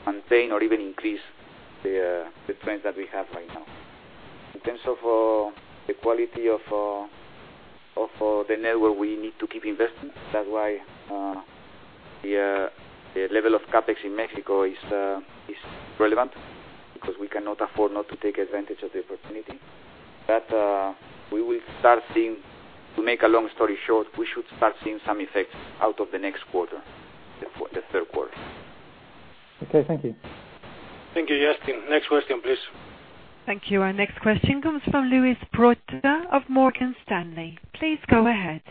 maintain or even increase the trend that we have right now. In terms of the quality of the network, we need to keep investing. That's why the level of CapEx in Mexico is relevant, because we cannot afford not to take advantage of the opportunity. To make a long story short, we should start seeing some effects out of the next quarter, the third quarter. Okay. Thank you. Thank you, Justin. Next question, please. Thank you. Our next question comes from Luis Prota of Morgan Stanley. Please go ahead.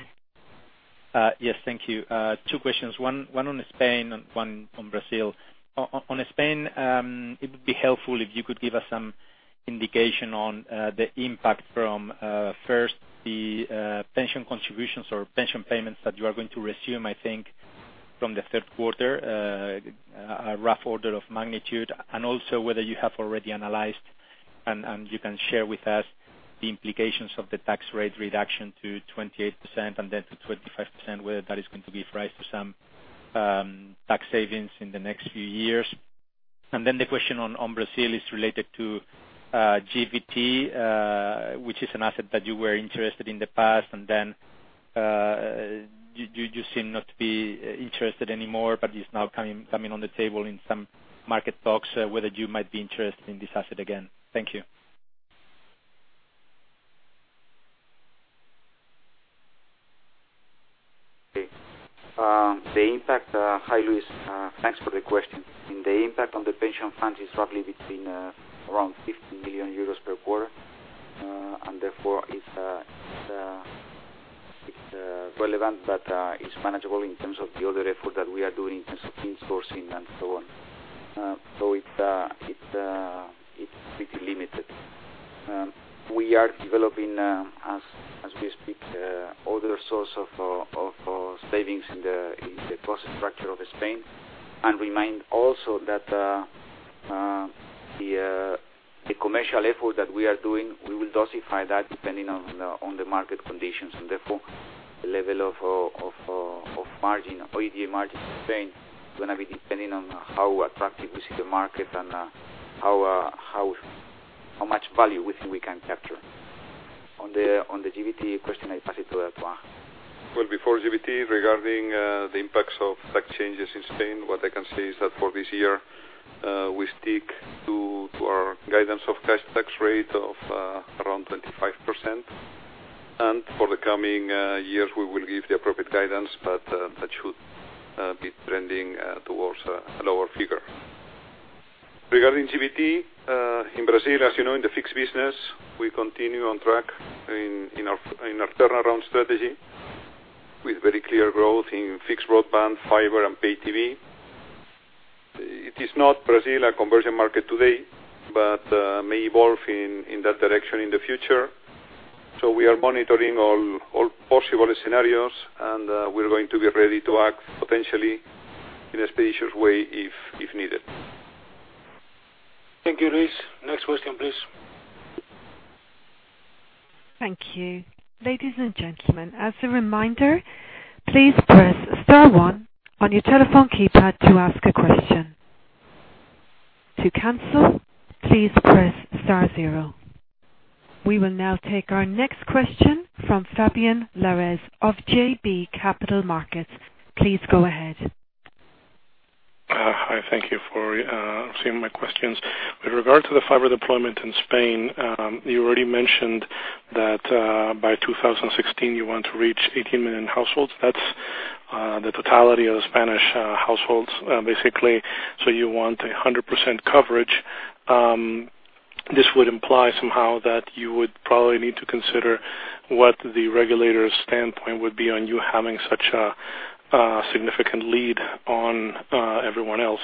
Yes, thank you. Two questions, one on Spain and one on Brazil. On Spain, it would be helpful if you could give us some indication on the impact from, first, the pension contributions or pension payments that you are going to resume, I think from the third quarter, a rough order of magnitude, and also whether you have already analyzed and you can share with us the implications of the tax rate reduction to 28% and then to 25%, whether that is going to give rise to some tax savings in the next few years. The question on Brazil is related to GVT, which is an asset that you were interested in the past, and then you seem not to be interested anymore, but it is now coming on the table in some market talks, whether you might be interested in this asset again. Thank you. Okay. Hi, Luis. Thanks for the question. The impact on the pension fund is roughly between around 50 million euros per quarter. It's relevant, but it's manageable in terms of the other effort that we are doing in terms of insourcing and so on. It's pretty limited. We are developing, as we speak, other source of savings in the cost structure of Spain. Remind also that the commercial effort that we are doing, we will dosify that depending on the market conditions, and therefore, the level of margin, OIBDA margin in Spain is going to be depending on how attractive we see the market and how much value we think we can capture. On the GVT question, I pass it to Ángel. Well, before GVT, regarding the impacts of tax changes in Spain, what I can say is that for this year, we stick to our guidance of cash tax rate of around 25%. For the coming years, we will give the appropriate guidance, but that should be trending towards a lower figure. Regarding GVT, in Brazil, as you know, in the fixed business, we continue on track in our turnaround strategy with very clear growth in fixed broadband, fiber, and pay TV. It is not Brazil, a conversion market today, but may evolve in that direction in the future. We are monitoring all possible scenarios and we're going to be ready to act potentially in a expeditious way if needed. Thank you, Luis. Next question, please. Thank you. Ladies and gentlemen, as a reminder, please press star one on your telephone keypad to ask a question. To cancel, please press star zero. We will now take our next question from Fabián Lares of JB Capital Markets. Please go ahead. Hi. Thank you for seeing my questions. With regard to the fiber deployment in Spain, you already mentioned that by 2016, you want to reach 18 million households. That's the totality of the Spanish households, basically. You want 100% coverage. This would imply somehow that you would probably need to consider what the regulator's standpoint would be on you having such a significant lead on everyone else.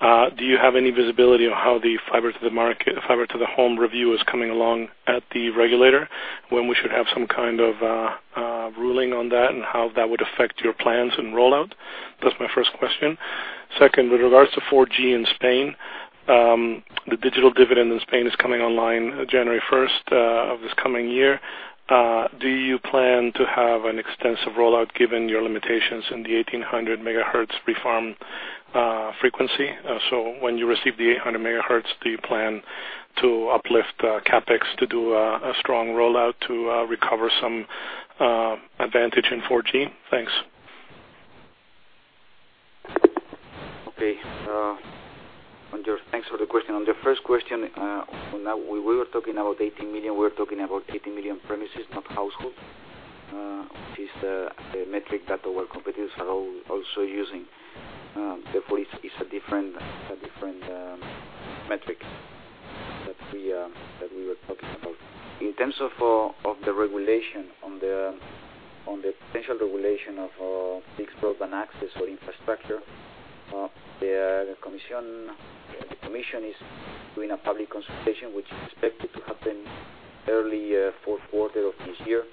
Do you have any visibility on how the fiber-to-the-home review is coming along at the regulator, when we should have some kind of a ruling on that, and how that would affect your plans and rollout? That's my first question. Second, with regards to 4G in Spain, the digital dividend in Spain is coming online January 1st of this coming year. Do you plan to have an extensive rollout given your limitations in the 1,800 MHz reform frequency? When you receive the 800 MHz, do you plan to uplift CapEx to do a strong rollout to recover some advantage in 4G? Thanks. Okay. Thanks for the question. On the first question, when we were talking about 18 million, we were talking about 18 million premises, not household. It is the metric that our competitors are also using. It's a different metric that we were talking about. In terms of the regulation on the potential of the fixed broadband access or infrastructure. The commission is doing a public consultation, which is expected to happen early fourth quarter of this year.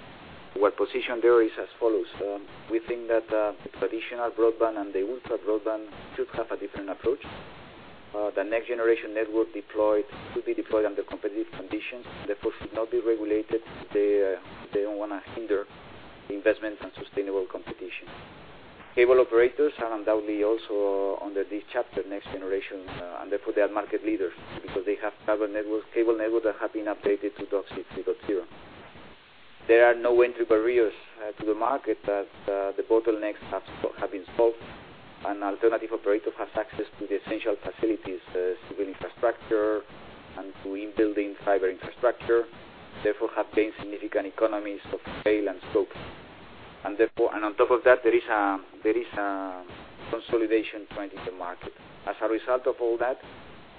Our position there is as follows. We think that the traditional broadband and the ultra broadband should have a different approach. The next generation network deployed should be deployed under competitive conditions, therefore, should not be regulated. They don't want to hinder the investment and sustainable competition. Cable operators are undoubtedly also under this chapter, next generation, and therefore they are market leaders because they have cable network that have been updated to DOCSIS 3.0. There are no entry barriers to the market that the bottlenecks have been solved, and alternative operator has access to the essential facilities, civil infrastructure, and to in-building fiber infrastructure, therefore have gained significant economies of scale and scope. On top of that, there is a consolidation trend in the market. As a result of all that,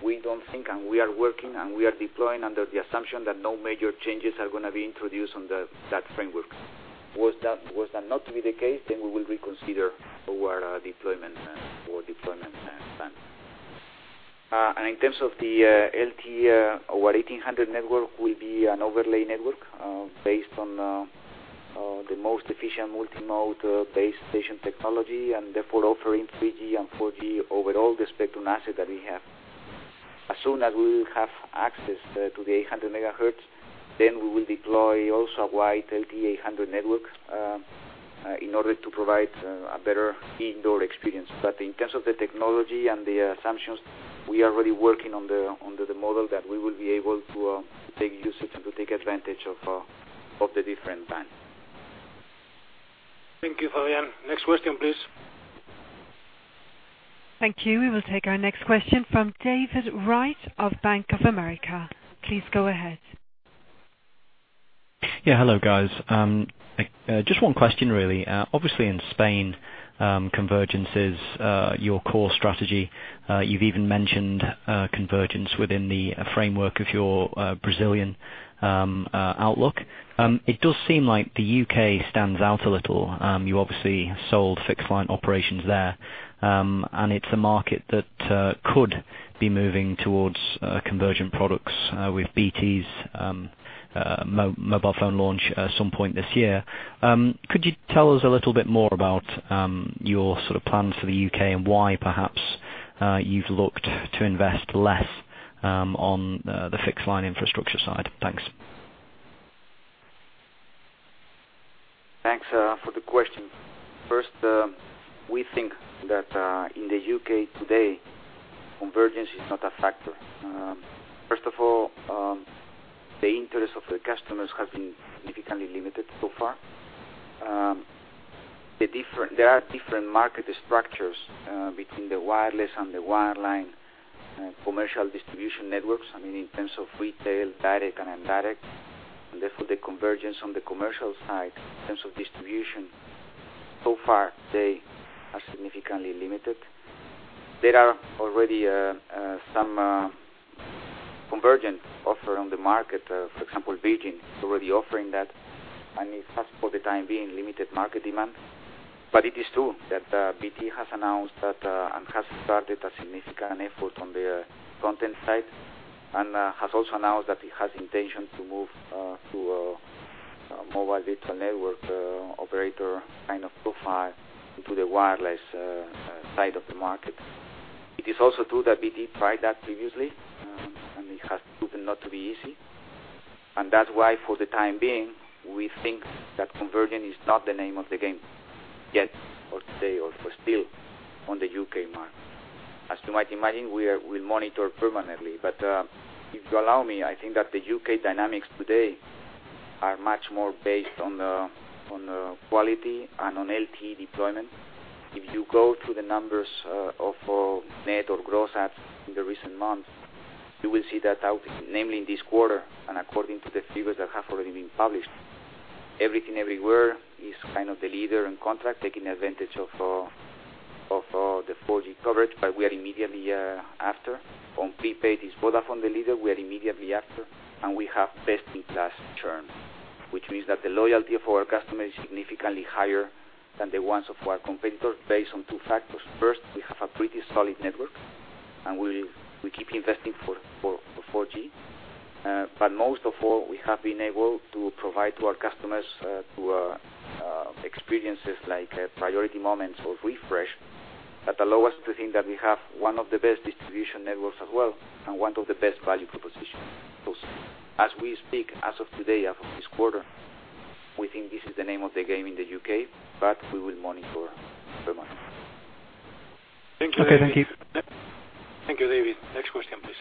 we don't think, and we are working, and we are deploying under the assumption that no major changes are going to be introduced on that framework. Was that not to be the case, then we will reconsider our deployment plan. In terms of the LTE, our 1800 network will be an overlay network, based on the most efficient multimode base station technology, therefore offering 3G and 4G over all the spectrum asset that we have. As soon as we will have access to the 800 megahertz, we will deploy also wide LTE 800 network, in order to provide a better indoor experience. In terms of the technology and the assumptions, we are already working on the model that we will be able to take usage and to take advantage of the different bands. Thank you, Fabián. Next question, please. Thank you. We will take our next question from David Wright of Bank of America. Please go ahead. Hello, guys. Just one question, really. Obviously, in Spain, convergence is your core strategy. You've even mentioned convergence within the framework of your Brazilian outlook. It does seem like the U.K. stands out a little. You obviously sold fixed line operations there, and it's a market that could be moving towards convergent products, with BT's mobile phone launch at some point this year. Could you tell us a little bit more about your plans for the U.K. and why, perhaps, you've looked to invest less on the fixed line infrastructure side? Thanks. Thanks for the question. First, we think that in the U.K. today, convergence is not a factor. First of all, the interest of the customers have been significantly limited so far. There are different market structures between the wireless and the wireline commercial distribution networks, I mean, in terms of retail, direct, and indirect, therefore the convergence on the commercial side in terms of distribution, so far, they are significantly limited. There are already some convergence offer on the market. For example, Virgin is already offering that, and it has, for the time being, limited market demand. It is true that BT has announced that, and has started a significant effort on the content side, and has also announced that it has intention to move to a mobile data network operator profile into the wireless side of the market. It is also true that BT tried that previously, and it has proven not to be easy. That's why, for the time being, we think that convergence is not the name of the game yet or today or for still on the U.K. market. As you might imagine, we monitor permanently. If you allow me, I think that the U.K. dynamics today are much more based on the quality and on LTE deployment. If you go through the numbers of net or gross adds in the recent months, you will see that namely in this quarter, and according to the figures that have already been published, Everything Everywhere is the leader in contract, taking advantage of the 4G coverage, but we are immediately after. On prepaid, is Vodafone the leader, we are immediately after, and we have best-in-class churn. Which means that the loyalty of our customers is significantly higher than the ones of our competitor based on two factors. First, we have a pretty solid network, and we keep investing for 4G. Most of all, we have been able to provide to our customers through experiences like Priority Moments or Refresh that allow us to think that we have one of the best distribution networks as well and one of the best value proposition. As we speak, as of today, as of this quarter, we think this is the name of the game in the U.K., we will monitor permanently. Okay, thank you. Thank you, David. Next question, please.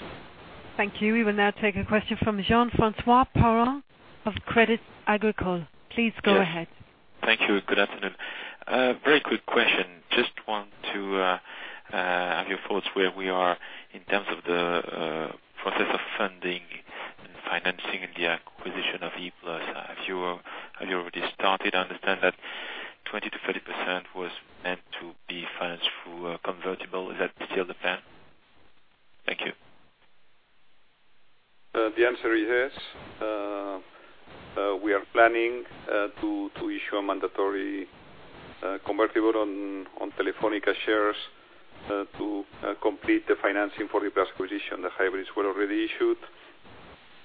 Thank you. We will now take a question from Jean-François Paren of Crédit Agricole. Please go ahead. Thank you. Good afternoon. Very quick question. Just want to have your thoughts where we are in terms of the process of funding and financing the acquisition of E-Plus. Have you already started? I understand that 20%-30% was meant to be financed through a convertible. Is that still the plan? The answer is yes. We are planning to issue a mandatory convertible on Telefónica shares to complete the financing for Ooredoo's acquisition. The hybrids were already issued,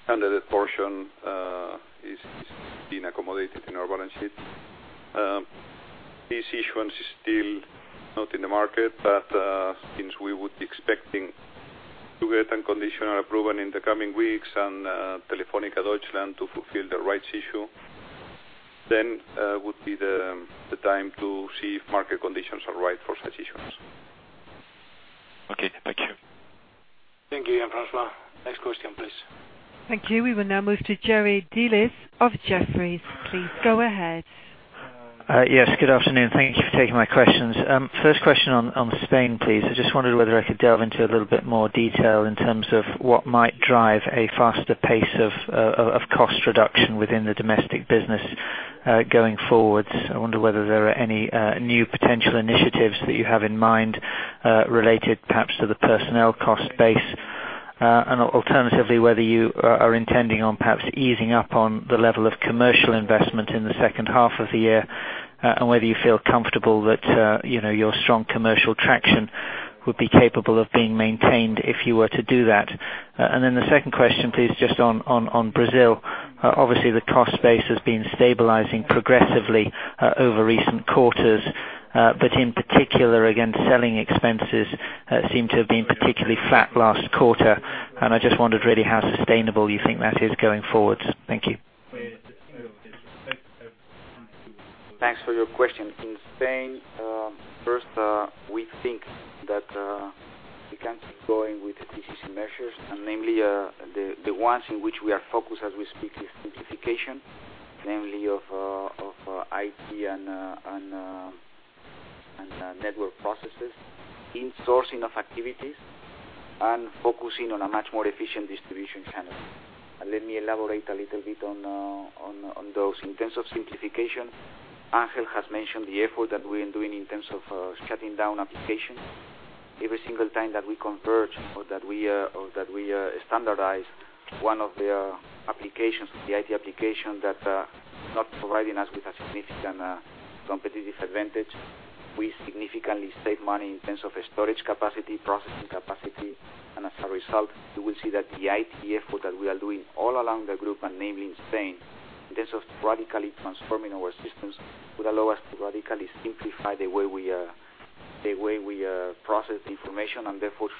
and the debt portion is being accommodated in our balance sheet. This issuance is still not in the market, but since we would be expecting to get unconditional approval in the coming weeks and Telefónica Deutschland to fulfill the rights issue, then would be the time to see if market conditions are right for such issuance. Okay. Thank you. Thank you, Jean-Francois. Next question, please. Thank you. We will now move to Jerry Dellis of Jefferies. Please go ahead. Yes, good afternoon. Thank you for taking my questions. First question on Spain, please. I just wondered whether I could delve into a little bit more detail in terms of what might drive a faster pace of cost reduction within the domestic business going forward. I wonder whether there are any new potential initiatives that you have in mind related perhaps to the personnel cost base, and alternatively, whether you are intending on perhaps easing up on the level of commercial investment in the second half of the year, and whether you feel comfortable that your strong commercial traction would be capable of being maintained if you were to do that. Then the second question, please, just on Brazil. Obviously, the cost base has been stabilizing progressively over recent quarters. In particular, again, selling expenses seem to have been particularly flat last quarter. I just wondered really how sustainable you think that is going forward. Thank you. Thanks for your question. In Spain, first, we think that we can keep going with the TCC measures, namely, the ones in which we are focused as we speak is simplification, namely of IT and network processes, insourcing of activities, and focusing on a much more efficient distribution channel. Let me elaborate a little bit on those. In terms of simplification, Ángel has mentioned the effort that we are doing in terms of shutting down applications. Every single time that we converge or that we standardize one of the IT applications that are not providing us with a significant competitive advantage, we significantly save money in terms of storage capacity, processing capacity, you will see that the IT effort that we are doing all along the group, namely in Spain, in terms of radically transforming our systems, would allow us to radically simplify the way we process information,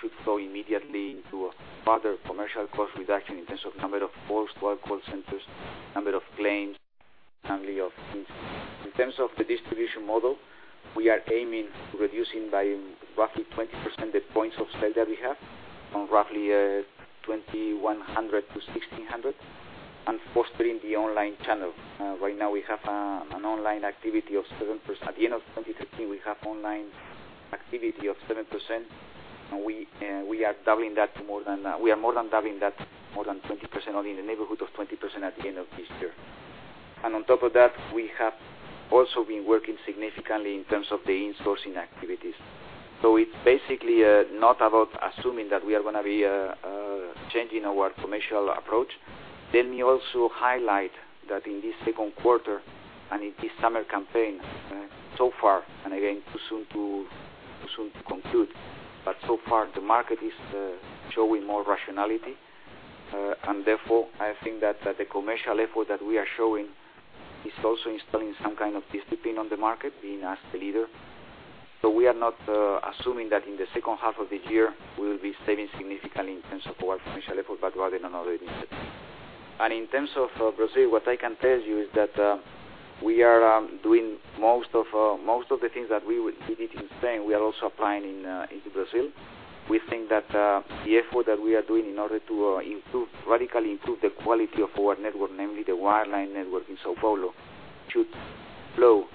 should go immediately into a further commercial cost reduction in terms of number of calls to our call centers, number of claims, namely of incidents. In terms of the distribution model, we are aiming to reducing by roughly 20% the points of sale that we have, from roughly 2,100 to 1,600, fostering the online channel. At the end of 2013, we have online activity of 7%, we are more than doubling that, more than 20% or in the neighborhood of 20% at the end of this year. On top of that, we have also been working significantly in terms of the insourcing activities. It's basically not about assuming that we are going to be changing our commercial approach. Let me also highlight that in this second quarter and in this summer campaign so far, again, too soon to conclude, but so far the market is showing more rationality. Therefore, I think that the commercial effort that we are showing is also installing some kind of discipline on the market, being as the leader. We are not assuming that in the second half of the year we will be saving significantly in terms of our commercial effort, but rather in another initiative. In terms of Brazil, what I can tell you is that we are doing most of the things that we did in Spain, we are also applying into Brazil. We think that the effort that we are doing in order to radically improve the quality of our network, namely the wireline network in São Paulo, should flow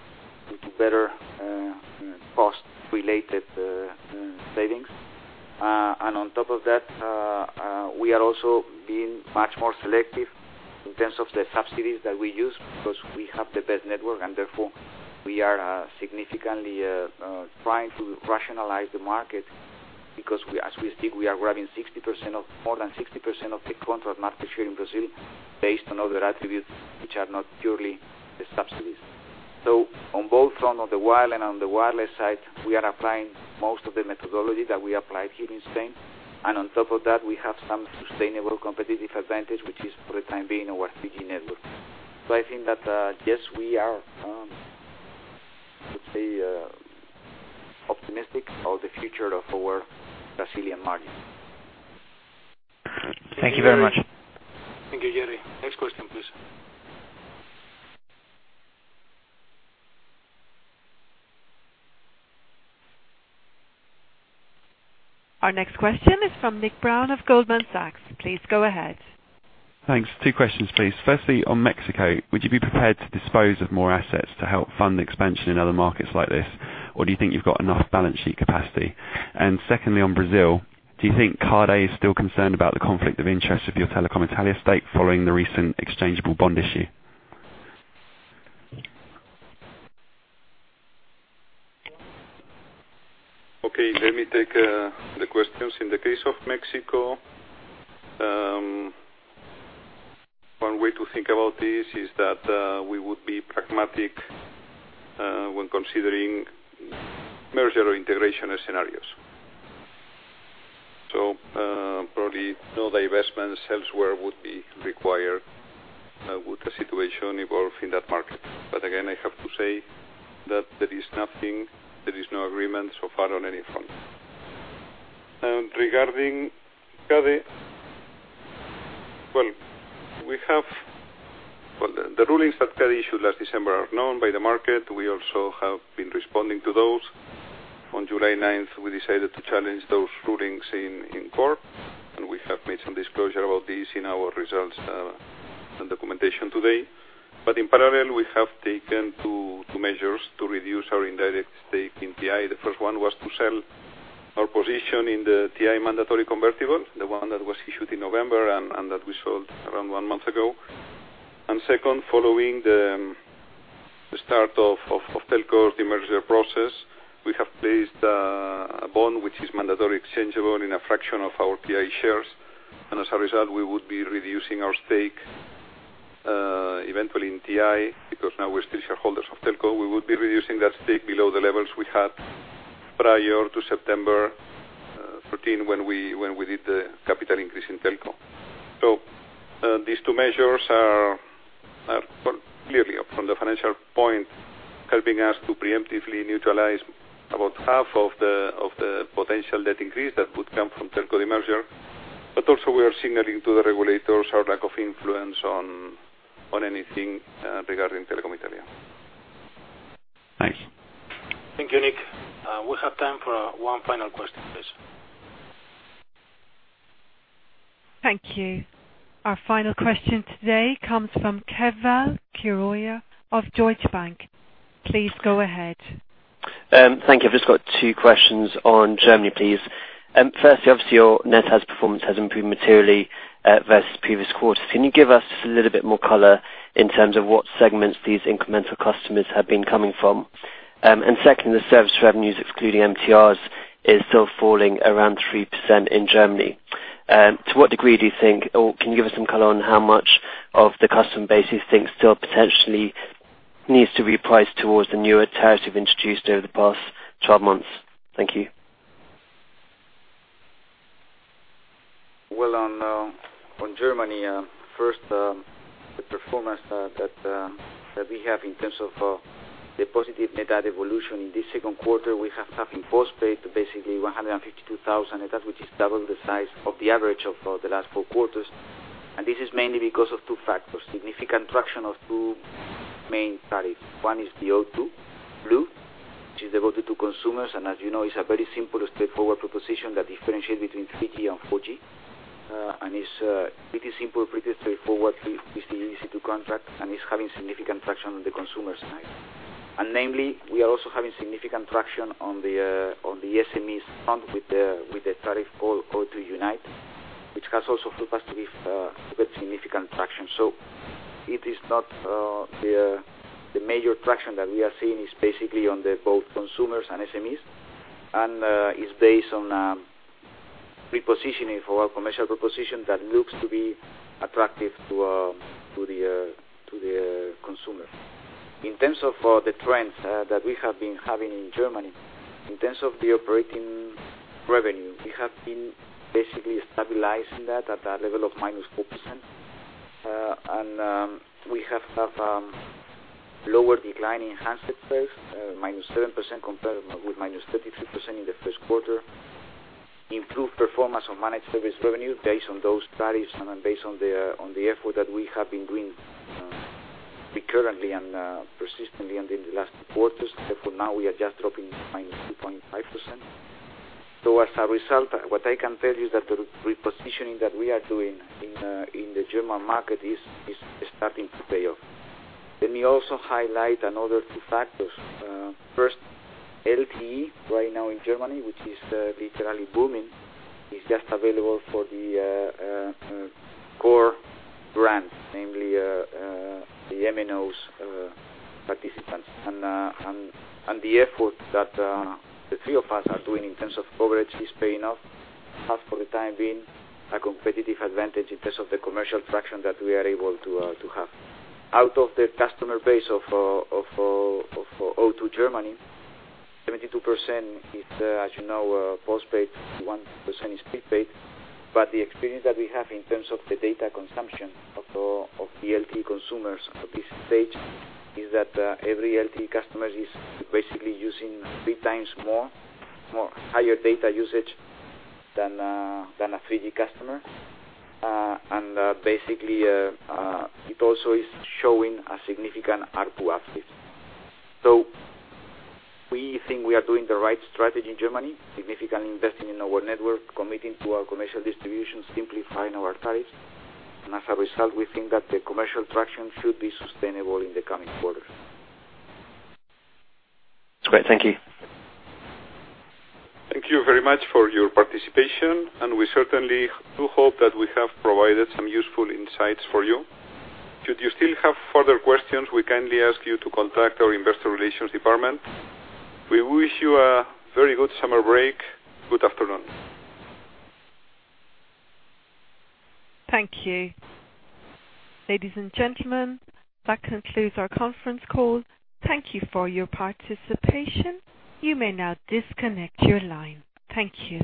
into better cost-related savings. On top of that, we are also being much more selective in terms of the subsidies that we use because we have the best network, and therefore we are significantly trying to rationalize the market because as we speak, we are grabbing more than 60% of the contract market share in Brazil based on other attributes which are not purely the subsidies. On both on the wire and on the wireless side, we are applying most of the methodology that we applied here in Spain. On top of that, we have some sustainable competitive advantage, which is for the time being our 3G network. I think that, yes, we are, let's say, optimistic of the future of our Brazilian margin. Thank you very much. Thank you, Jerry. Next question, please. Our next question is from Nick Brown of Goldman Sachs. Please go ahead. Thanks. Two questions, please. Firstly, on Mexico, would you be prepared to dispose of more assets to help fund expansion in other markets like this? Or do you think you've got enough balance sheet capacity? Secondly, on Brazil, do you think CADE is still concerned about the conflict of interest of your Telecom Italia stake following the recent exchangeable bond issue? Let me take the questions. In the case of Mexico, one way to think about this is that we would be pragmatic when considering merger or integration scenarios. Probably no divestments elsewhere would be required would the situation evolve in that market. Again, I have to say that there is nothing, there is no agreement so far on any front. Regarding CADE, well, the rulings that CADE issued last December are known by the market. We also have been responding to those. On July 9th, we decided to challenge those rulings in court, and we have made some disclosure about this in our results and documentation today. In parallel, we have taken two measures to reduce our indirect stake in TI. The first one was to sell our position in the TI mandatory convertible, the one that was issued in November and that we sold around one month ago. Second, following the start of Telco, the merger process, we have placed a bond which is mandatory exchangeable in a fraction of our TI shares. As a result, we would be reducing our stake, eventually, in TI, because now we're still shareholders of Telco. We would be reducing that stake below the levels we had prior to September 13, when we did the capital increase in Telco. These two measures are clearly, from the financial point, helping us to preemptively neutralize about half of the potential debt increase that would come from Telco de-merger. Also we are signaling to the regulators our lack of influence on anything regarding Telecom Italia. Thanks. Thank you, Nick. We have time for one final question, please. Thank you. Our final question today comes from Keval Khiroya of Deutsche Bank. Please go ahead. Thank you. I've just got two questions on Germany, please. Firstly, obviously your net performance has improved materially versus previous quarters. Can you give us just a little bit more color in terms of what segments these incremental customers have been coming from? Second, the service revenues, excluding MTRs, is still falling around 3% in Germany. To what degree do you think, or can you give us some color on how much of the customer base you think still potentially needs to be priced towards the newer tariffs you've introduced over the past 12 months? Thank you. Well, on Germany, first, the performance that we have in terms of the positive net add evolution. In this second quarter, we have tapped in postpaid basically 152,000 net adds, which is double the size of the average of the last four quarters. This is mainly because of two factors, significant traction of two main tariffs. One is the O2 Blue, which is devoted to consumers. As you know, it's a very simple, straightforward proposition that differentiates between 3G and 4G. It's pretty simple, pretty straightforward. It's easy to contract, and it's having significant traction on the consumer side. Namely, we are also having significant traction on the SMEs front with the tariff O2 Unite, which has also proved us to be a significant traction. It is not the major traction that we are seeing is basically on the both consumers and SMEs, and it's based on repositioning for our commercial proposition that looks to be attractive to the consumer. In terms of the trends that we have been having in Germany, in terms of the operating revenue, we have been basically stabilizing that at a level of -4%. We have had lower decline in handset space, -7% compared with -33% in the first quarter. Improved performance on managed service revenue based on those tariffs and based on the effort that we have been doing recurrently and persistently in the last quarters. Therefore, now we are just dropping -2.5%. As a result, what I can tell you is that the repositioning that we are doing in the German market is starting to pay off. Let me also highlight another two factors. First, LTE right now in Germany, which is literally booming, is just available for the core brands, namely the MNOs participants. The effort that the three of us are doing in terms of coverage is paying off, thus for the time being, a competitive advantage in terms of the commercial traction that we are able to have. Out of the customer base of O2 Germany, 72% is, as you know, postpaid, 21% is prepaid. The experience that we have in terms of the data consumption of the LTE consumers at this stage is that every LTE customer is basically using three times more, higher data usage than a 3G customer. Basically, it also is showing a significant ARPU uplift. We think we are doing the right strategy in Germany, significantly investing in our network, committing to our commercial distribution, simplifying our tariffs. As a result, we think that the commercial traction should be sustainable in the coming quarters. That's great. Thank you. Thank you very much for your participation. We certainly do hope that we have provided some useful insights for you. Should you still have further questions, we kindly ask you to contact our Investor Relations department. We wish you a very good summer break. Good afternoon. Thank you. Ladies and gentlemen, that concludes our conference call. Thank you for your participation. You may now disconnect your line. Thank you.